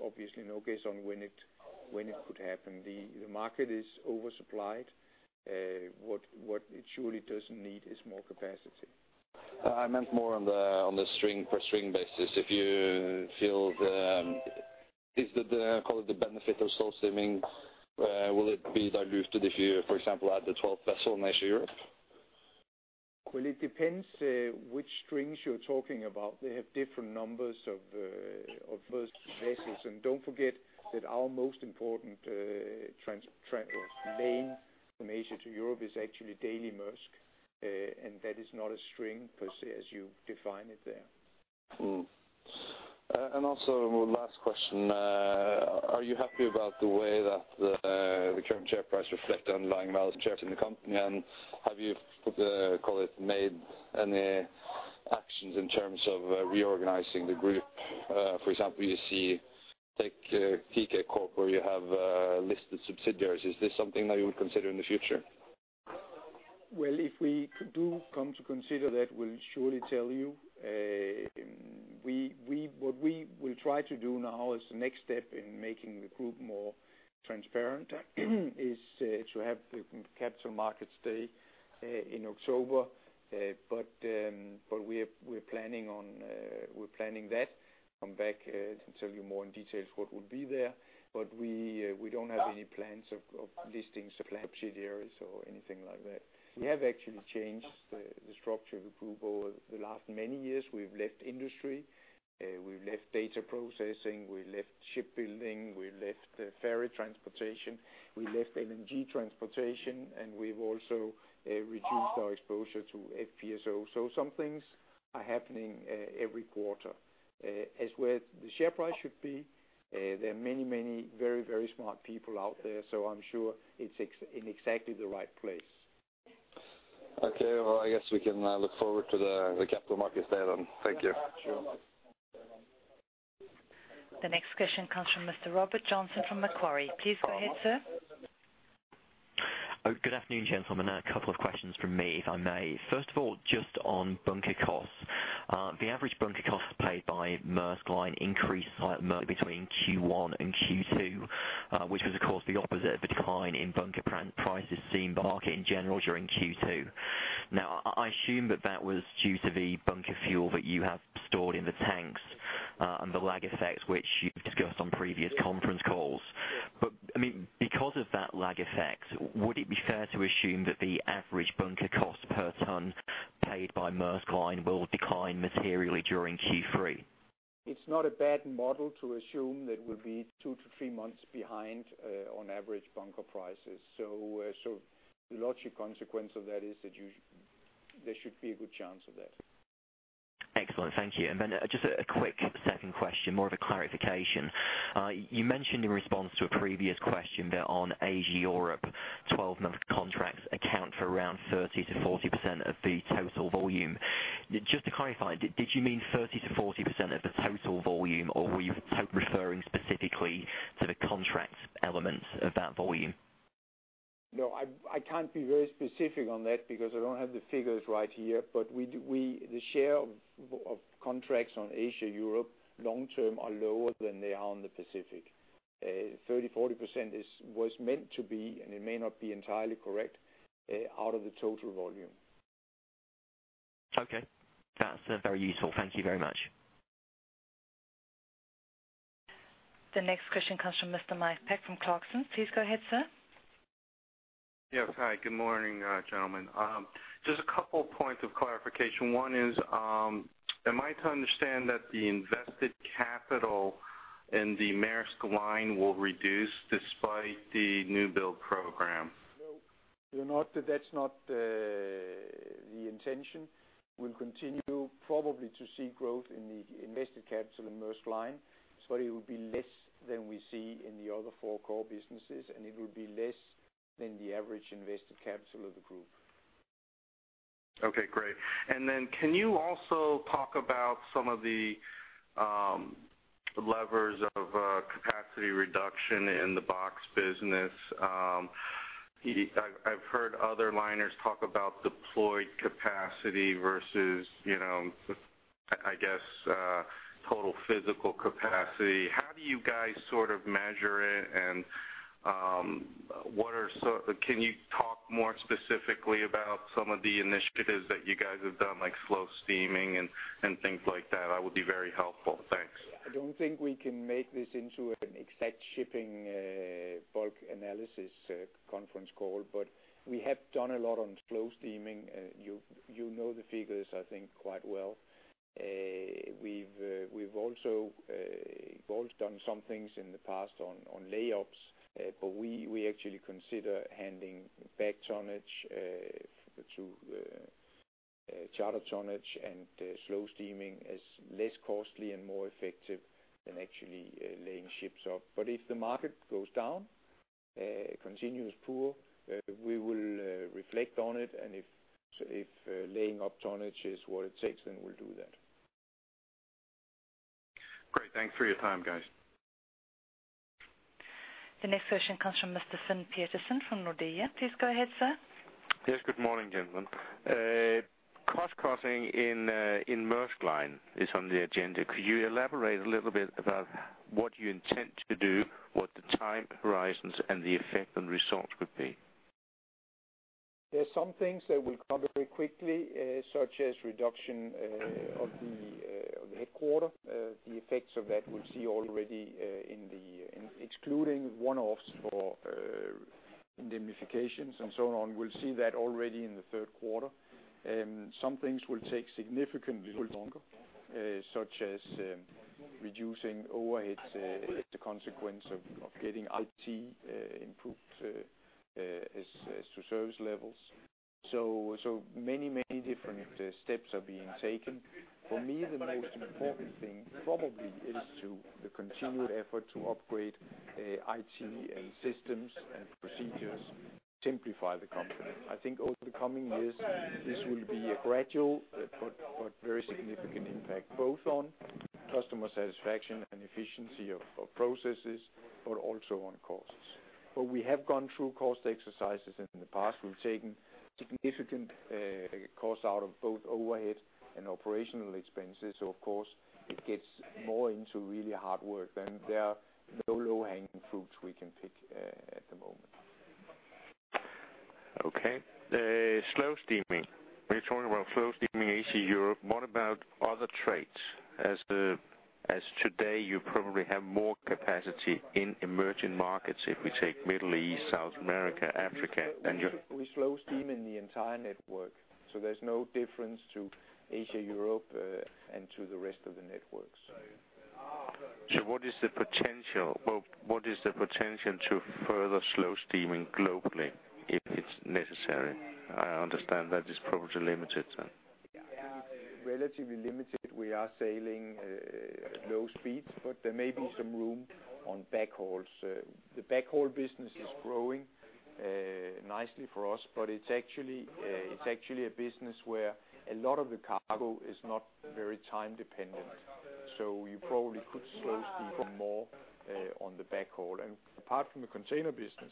Obviously no guess on when it could happen. The market is oversupplied. What it surely doesn't need is more capacity. I meant more on the string per string basis. Is the call it the benefit of slow steaming will it be diluted if you, for example, add the twelfth vessel on Asia Europe? Well, it depends which strings you're talking about. They have different numbers of vessels. Don't forget that our most important trade lane from Asia to Europe is actually Daily Maersk, and that is not a string per se, as you define it there. Also one last question. Are you happy about the way that the current share price reflect underlying values shares in the company? Have you call it made any actions in terms of reorganizing the group? For example, you see, take Teekay Corporation, where you have listed subsidiaries. Is this something that you would consider in the future? Well, if we do come to consider that, we'll surely tell you. What we will try to do now is the next step in making the group more transparent, to have the Capital Markets Day in October. We're planning that. Come back to tell you more in detail what would be there. We don't have any plans of listings of subsidiaries or anything like that. We have actually changed the structure of the group over the last many years. We've left industry, we've left data processing, we left shipbuilding, we left the ferry transportation, we left LNG transportation, and we've also reduced our exposure to FPSO. Some things are happening every quarter. As to where the share price should be, there are many, many very, very smart people out there, so I'm sure it's in exactly the right place. Okay. Well, I guess we can look forward to the capital markets day then. Thank you. Sure. The next question comes from Mr. Robert Joynson from Macquarie. Please go ahead, sir. Oh, good afternoon, gentlemen. A couple of questions from me, if I may. First of all, just on bunker costs. The average bunker costs paid by Maersk Line increased slightly between Q1 and Q2, which was, of course, the opposite of the decline in bunker prices seen by market in general during Q2. Now, I assume that was due to the bunker fuel that you have stored in the tanks, and the lag effects which you've discussed on previous conference calls. I mean, because of that lag effect, would it be fair to assume that the average bunker cost per ton paid by Maersk Line will decline materially during Q3? It's not a bad model to assume that we'll be two to three months behind on average bunker prices. The logical consequence of that is that there should be a good chance of that. Excellent. Thank you. Just a quick second question, more of a clarification. You mentioned in response to a previous question that on Asia/Europe, 12-month contracts account for around 30% to 40% of the total volume. Just to clarify, did you mean 30% to 40% of the total volume, or were you referring specifically to the contract elements of that volume? No, I can't be very specific on that because I don't have the figures right here. We, the share of contracts on Asia-Europe long-term are lower than they are on the Pacific. 30% to 40% was meant to be, and it may not be entirely correct, out of the total volume. Okay. That's very useful. Thank you very much. The next question comes from Mr. Mike Sherlock from Clarksons. Please go ahead, sir. Yes. Hi, good morning, gentlemen. Just a couple points of clarification. One is, am I to understand that the invested capital in the Maersk Line will reduce despite the new build program? No, you're not. That's not the intention. We'll continue probably to see growth in the invested capital in Maersk Line, but it will be less than we see in the other four core businesses, and it will be less than the average invested capital of the group. Okay, great. Can you also talk about some of the levers of capacity reduction in the box business? I've heard other liners talk about deployed capacity versus, you know, I guess, total physical capacity. How do you guys sort of measure it, and can you talk more specifically about some of the initiatives that you guys have done, like slow steaming and things like that? That would be very helpful. Thanks. I don't think we can make this into an exact shipping bulk analysis conference call, but we have done a lot on slow steaming. You know the figures, I think, quite well. We've also done some things in the past on layups, but we actually consider handing back tonnage to charter tonnage and slow steaming as less costly and more effective than actually laying ships up. If the market goes down continues poor, we will reflect on it, and if laying up tonnage is what it takes, then we'll do that. Great. Thanks for your time, guys. The next question comes from Mr. Finn Petersen from Nordea. Please go ahead, sir. Yes, good morning, gentlemen. Cost cutting in Maersk Line is on the agenda. Could you elaborate a little bit about what you intend to do, what the time horizons and the effect on results would be? There's some things that will come very quickly, such as reduction of the headquarters, the effects of that we'll see already in the third quarter excluding one-offs for indemnifications and so on. Some things will take significantly longer, such as reducing overhead as a consequence of getting IT improved as to service levels. Many different steps are being taken. For me, the most important thing probably is the continued effort to upgrade IT and systems and procedures, simplify the company. I think over the coming years, this will be a gradual but very significant impact both on customer satisfaction and efficiency of processes, but also on costs. We have gone through cost exercises in the past. We've taken significant costs out of both overhead and operational expenses. Of course, it gets more into really hard work than there are no low-hanging fruits we can pick at the moment. Okay. Slow steaming. We're talking about slow steaming Asia-Europe. What about other trades? As of today, you probably have more capacity in emerging markets if we take Middle East, South America, Africa, and you- We slow steam in the entire network, so there's no difference to Asia, Europe, and to the rest of the networks. Well, what is the potential to further slow steaming globally if it's necessary? I understand that is probably limited then. Yeah, relatively limited. We are sailing low speeds, but there may be some room on backhauls. The backhaul business is growing nicely for us, but it's actually a business where a lot of the cargo is not very time dependent. So you probably could slow steam even more on the backhaul. Apart from the container business,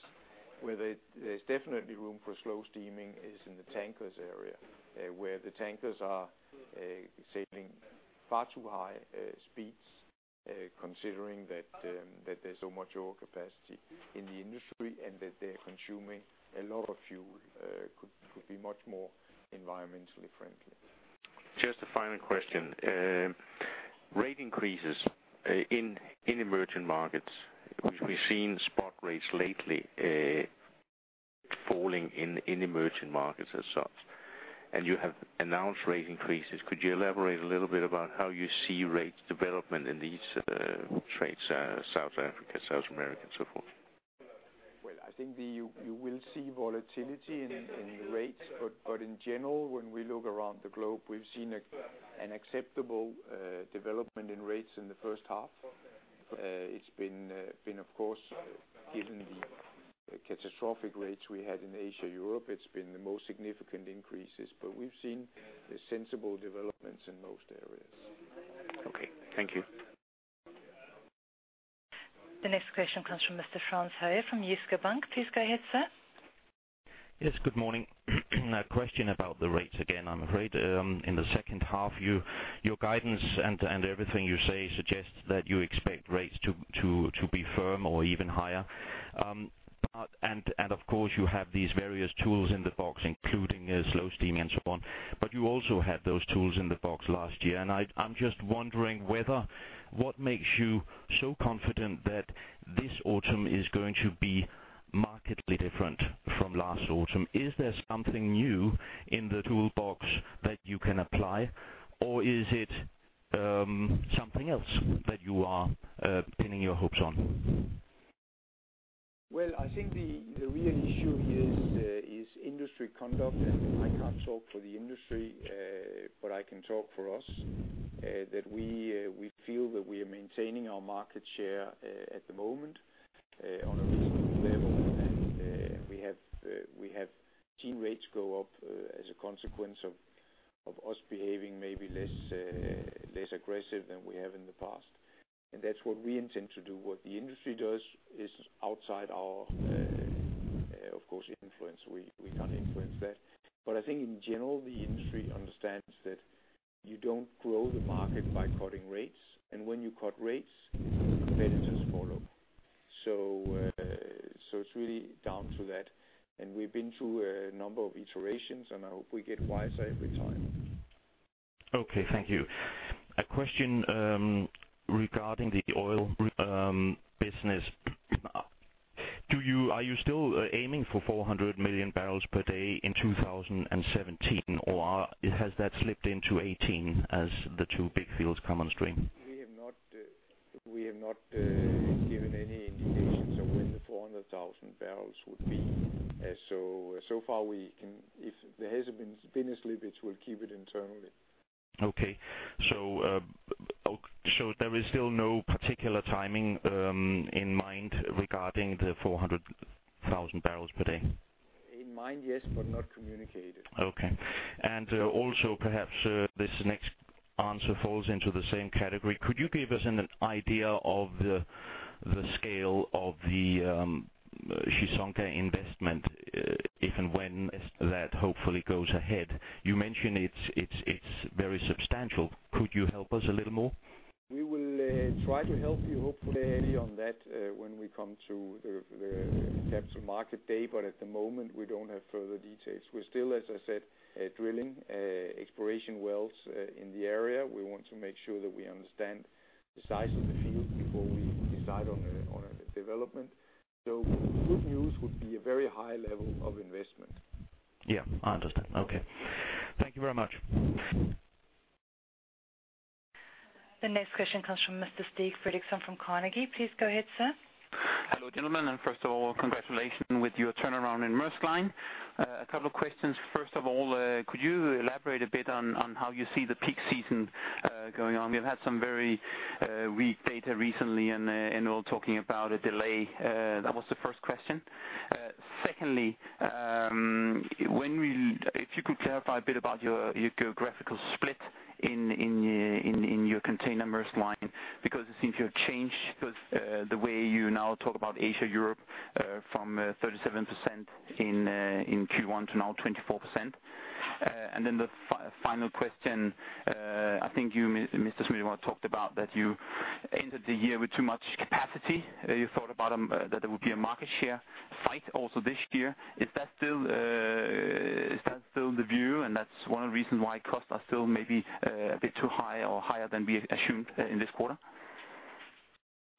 where there's definitely room for slow steaming is in the tankers area, where the tankers are sailing far too high speeds, considering that there's so much overcapacity in the industry and that they're consuming a lot of fuel. Could be much more environmentally friendly. Just a final question. Rate increases in emerging markets, which we've seen spot rates lately falling in emerging markets as such. You have announced rate increases. Could you elaborate a little bit about how you see rates development in these trades, South Africa, South America and so forth? Well, I think you will see volatility in the rates. In general, when we look around the globe, we've seen an acceptable development in rates in the first half. It's been, of course, given the catastrophic rates we had in Asia-Europe, the most significant increases. We've seen sensible developments in most areas. Okay. Thank you. The next question comes from Mr. Frans Høyer from Jyske Bank. Please go ahead, sir. Yes, good morning. A question about the rates again, I'm afraid. In the second half, your guidance and everything you say suggests that you expect rates to be firm or even higher. But of course you have these various tools in the box, including a slow steam and so on. You also had those tools in the box last year. I'm just wondering what makes you so confident that this autumn is going to be markedly different from last autumn. Is there something new in the toolbox that you can apply, or is it something else that you are pinning your hopes on? Well, I think the real issue here is industry conduct. I can't talk for the industry, but I can talk for us that we feel that we are maintaining our market share at the moment on a reasonable level. We have seen rates go up as a consequence of us behaving maybe less aggressive than we have in the past. That's what we intend to do. What the industry does is outside our, of course, influence. We can't influence that. I think in general, the industry understands that you don't grow the market by cutting rates. When you cut rates, the competitors follow. It's really down to that. We've been through a number of iterations, and I hope we get wiser every time. Thank you. A question regarding the oil business. Are you still aiming for 400 million barrels per day in 2017, or has that slipped into 2018 as the two big fields come on stream? We have not given any indications of when the 400,000 barrels would be. So far we can, if there has been a slippage, we'll keep it internally. There is still no particular timing in mind regarding the 400,000 barrels per day? In mind, yes, but not communicated. Okay. Also perhaps this next answer falls into the same category. Could you give us an idea of the scale of the Chissonga investment, if and when that hopefully goes ahead? You mentioned it's very substantial. Could you help us a little more? We will try to help you hopefully early on that when we come to the Capital Markets Day, but at the moment, we don't have further details. We're still, as I said, drilling exploration wells in the area. We want to make sure that we understand the size of the field before we decide on a development. Good news would be a very high level of investment. Yeah, I understand. Okay. Thank you very much. The next question comes from Mr. Stig Frederiksen from Carnegie. Please go ahead, sir. Hello, gentlemen. First of all, congratulations with your turnaround in Maersk Line. A couple of questions. First of all, could you elaborate a bit on how you see the peak season going on? We've had some very weak data recently and all talking about a delay. That was the first question. Secondly, if you could clarify a bit about your geographical split in your container Maersk Line because it seems you have changed the way you now talk about Asia, Europe from 37% in Q1 to now 24%. The final question, I think you, Mr. Nils Smedegaard Andersen, want to talk about that you entered the year with too much capacity. You thought about that there would be a market share fight also this year. Is that still the view and that's one of the reasons why costs are still maybe a bit too high or higher than we assumed in this quarter?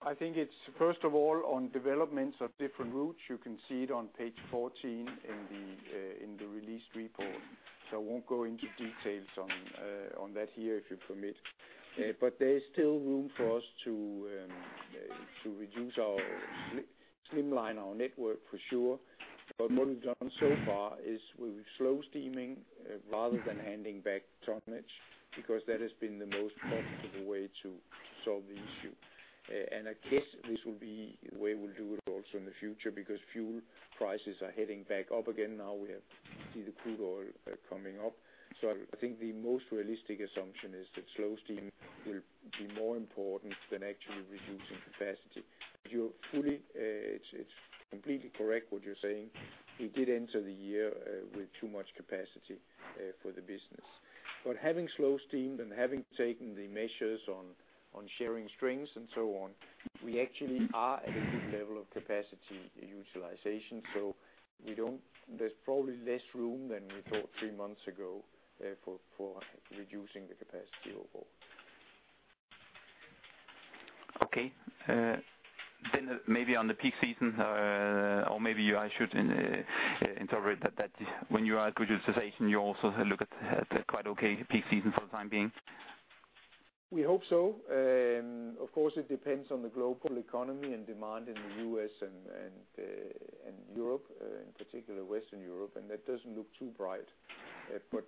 I think it's first of all on developments of different routes. You can see it on page 14 in the released report. I won't go into details on that here, if you permit. There is still room for us to reduce our slim line, our network for sure. What we've done so far is we're slow steaming rather than handing back tonnage because that has been the most profitable way to solve the issue. I guess this will be the way we'll do it also in the future because fuel prices are heading back up again now. We've seen the crude oil coming up. I think the most realistic assumption is that slow steam will be more important than actually reducing capacity. You're right. It's completely correct what you're saying. We did enter the year with too much capacity for the business. Having slow steaming and having taken the measures on sharing strengths and so on, we actually are at a good level of capacity utilization. There's probably less room than we thought three months ago for reducing the capacity overall. Okay. Maybe on the peak season, or maybe I should interpret that when you are at good utilization, you also look at quite okay peak season for the time being. We hope so. Of course, it depends on the global economy and demand in the U.S. and Europe, in particular Western Europe, and that doesn't look too bright.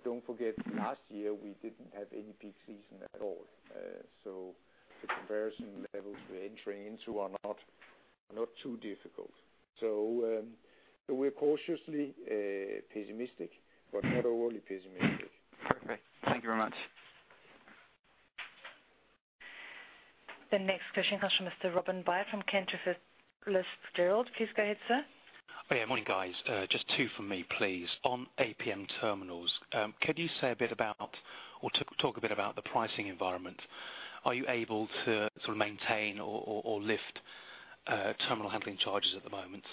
Don't forget, last year, we didn't have any peak season at all. The comparison levels we're entering into are not too difficult. We're cautiously pessimistic, but not overly pessimistic. Perfect. Thank you very much. The next question comes from Mr. Robert Bayer from Cantor Fitzgerald. Please go ahead, sir. Morning, guys. Just two from me, please. On APM Terminals, could you talk a bit about the pricing environment? Are you able to sort of maintain or lift terminal handling charges at the moment?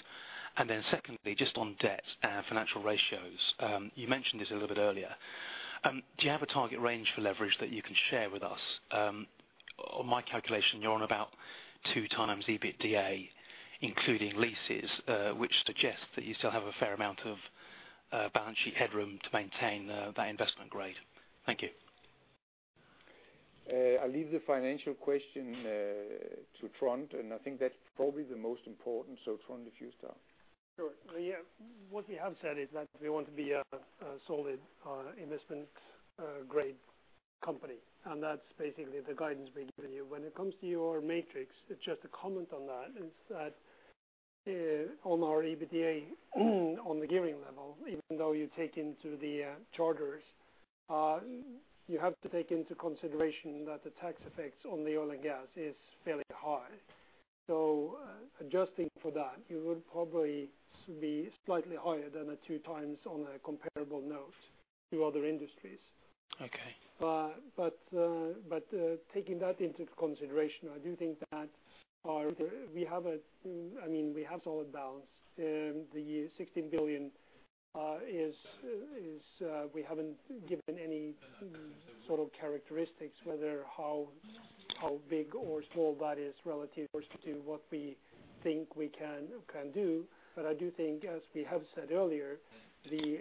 Secondly, just on debt and financial ratios, you mentioned this a little bit earlier. Do you have a target range for leverage that you can share with us? On my calculation, you're at about 2x EBITDA, including leases, which suggests that you still have a fair amount of balance sheet headroom to maintain that investment grade. Thank you. I'll leave the financial question to Trond, and I think that's probably the most important. Trond, if you start. Sure. Yeah. What we have said is that we want to be a solid investment grade company, and that's basically the guidance we've given you. When it comes to your metrics, just a comment on that is that on our EBITDA on the gearing level, even though you take into the charters, you have to take into consideration that the tax effects on the oil and gas is fairly high. Adjusting for that, you would probably be slightly higher than 2x on a comparable note to other industries. Okay. Taking that into consideration, I do think that I mean we have solid balance. The $16 billion is we haven't given any sort of characteristics whether how big or small that is relative to what we think we can do. I do think, as we have said earlier, the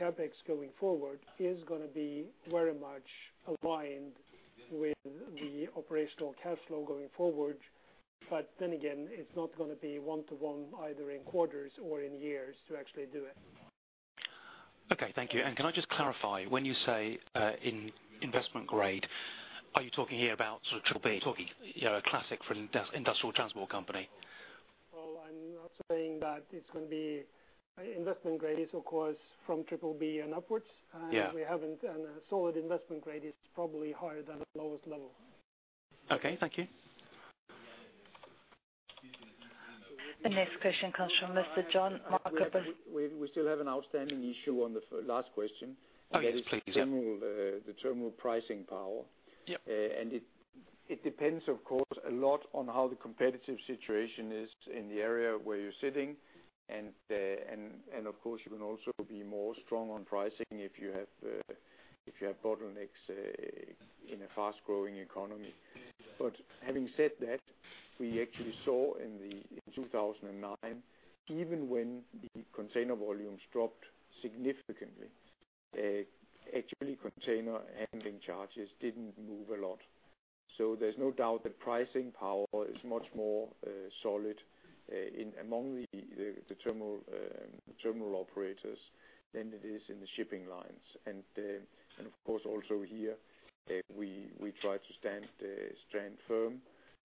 CapEx going forward is gonna be very much aligned with the operational cash flow going forward. Then again, it's not gonna be one to one either in quarters or in years to actually do it. Okay. Thank you. Can I just clarify, when you say in investment grade, are you talking here about sort of triple B? You're talking, you know, a classic for an industrial transport company. Well, I'm not saying that it's gonna be investment grade. It is of course from triple B and upwards. Yeah. We haven't, and a solid investment grade is probably higher than the lowest level. Okay. Thank you. The next question comes from Mr. Gianmarco Bonacina. We still have an outstanding issue on the last question. Oh, yes, please. Yeah. That is terminal, the terminal pricing power. Yeah. It depends, of course, a lot on how the competitive situation is in the area where you're sitting and of course, you can also be more strong on pricing if you have bottlenecks in a fast-growing economy. Having said that, we actually saw in 2009, even when the container volumes dropped significantly, actually container handling charges didn't move a lot. There's no doubt that pricing power is much more solid in among the terminal operators than it is in the shipping lines. Of course, also here, we try to stand firm.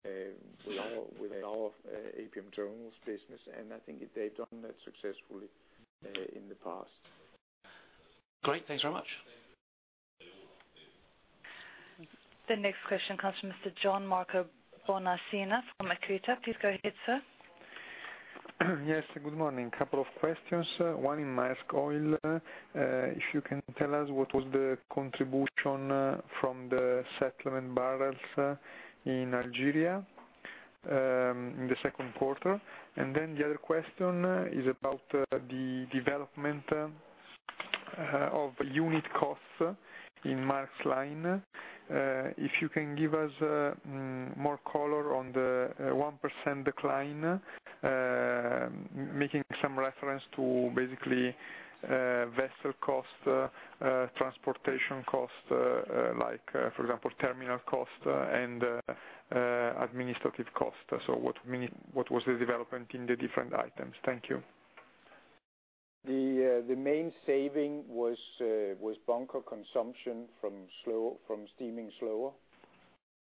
Yeah. With our APM Terminals business, and I think they've done that successfully in the past. Great. Thanks very much. The next question comes from Mr. Gianmarco Bonacina from Equita. Please go ahead, sir. Yes, good morning. Couple of questions. One in Maersk Oil. If you can tell us what was the contribution from the settlement barrels in Algeria in the second quarter. The other question is about the development of unit costs in Maersk Line. If you can give us more color on the 1% decline, making some reference to basically vessel costs, transportation costs, like for example, terminal costs and administrative costs. What was the development in the different items? Thank you. The main saving was bunker consumption from steaming slower.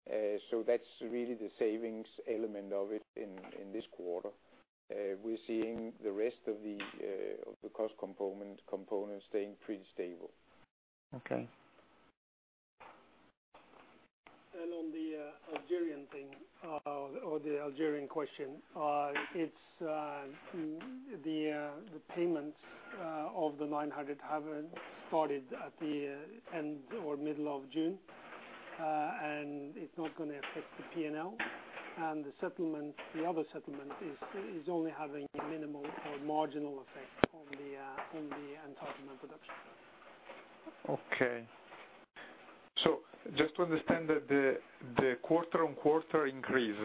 That's really the savings element of it in this quarter. We're seeing the rest of the cost components staying pretty stable. Okay. On the Algerian thing or the Algerian question, it's the payments of the $900 haven't started at the end or middle of June. It's not gonna affect the P&L. The settlement, the other settlement is only having a minimal or marginal effect on the entitlement production. Okay. Just to understand that the quarter-over-quarter increase,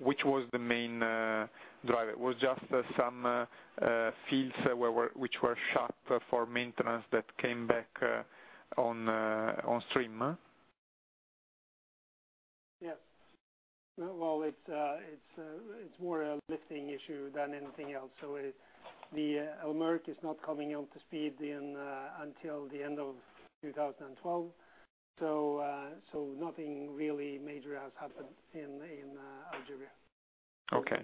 which was the main driver, was just some fields which were shut for maintenance that came back on stream? Yes. Well, it's more a listing issue than anything else. It's the El Merk is not coming up to speed until the end of 2012. Nothing really major has happened in Algeria. Okay.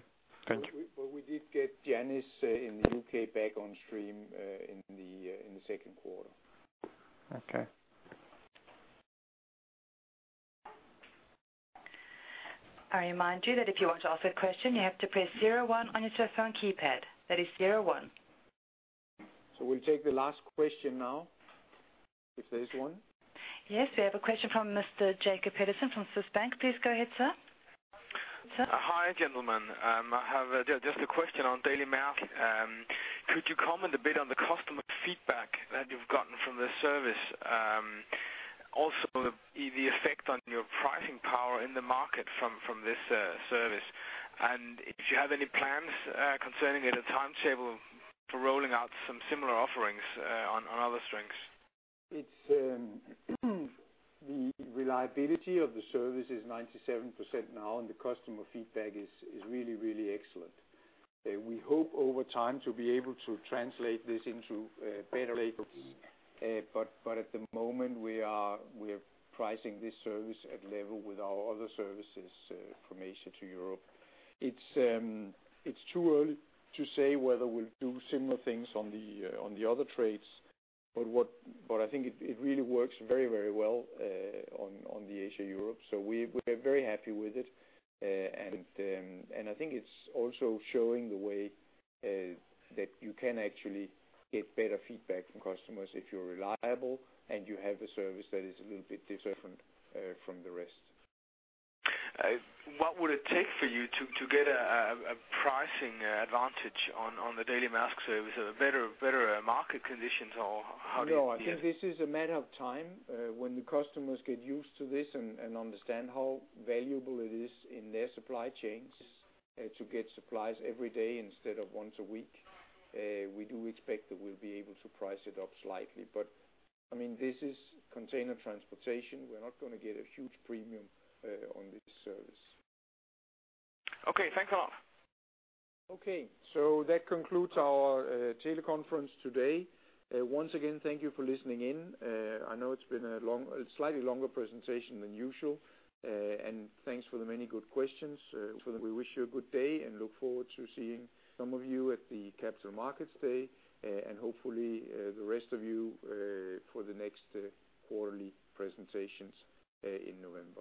Thank you. We did get Janice in the UK back on stream in the second quarter. Okay. I remind you that if you want to ask a question, you have to press zero one on your cellphone keypad. That is zero one. We'll take the last question now, if there is one. Yes, we have a question from Mr. Jacob Pedersen from Sydbank. Please go ahead, sir. Sir? Hi, gentlemen. I have just a question on Daily Maersk. Could you comment a bit on the customer feedback that you've gotten from the service? Also the effect on your pricing power in the market from this service. If you have any plans concerning a timetable for rolling out some similar offerings on other strengths. It's the reliability of the service is 97% now, and the customer feedback is really excellent. We hope over time to be able to translate this into better labels. At the moment, we're pricing this service at level with our other services from Asia to Europe. It's too early to say whether we'll do similar things on the other trades, but I think it really works very well on the Asia/Europe. We're very happy with it. I think it's also showing the way that you can actually get better feedback from customers if you're reliable and you have a service that is a little bit different from the rest. What would it take for you to get a pricing advantage on the Daily Maersk service? A better market conditions, or how do you see it? No, I think this is a matter of time. When the customers get used to this and understand how valuable it is in their supply chains, to get supplies every day instead of once a week, we do expect that we'll be able to price it up slightly. I mean, this is container transportation. We're not gonna get a huge premium on this service. Okay, thanks a lot. Okay, that concludes our teleconference today. Once again, thank you for listening in. I know it's been a long, slightly longer presentation than usual. Thanks for the many good questions. For that, we wish you a good day and look forward to seeing some of you at the Capital Markets Day, and hopefully, the rest of you for the next quarterly presentations in November.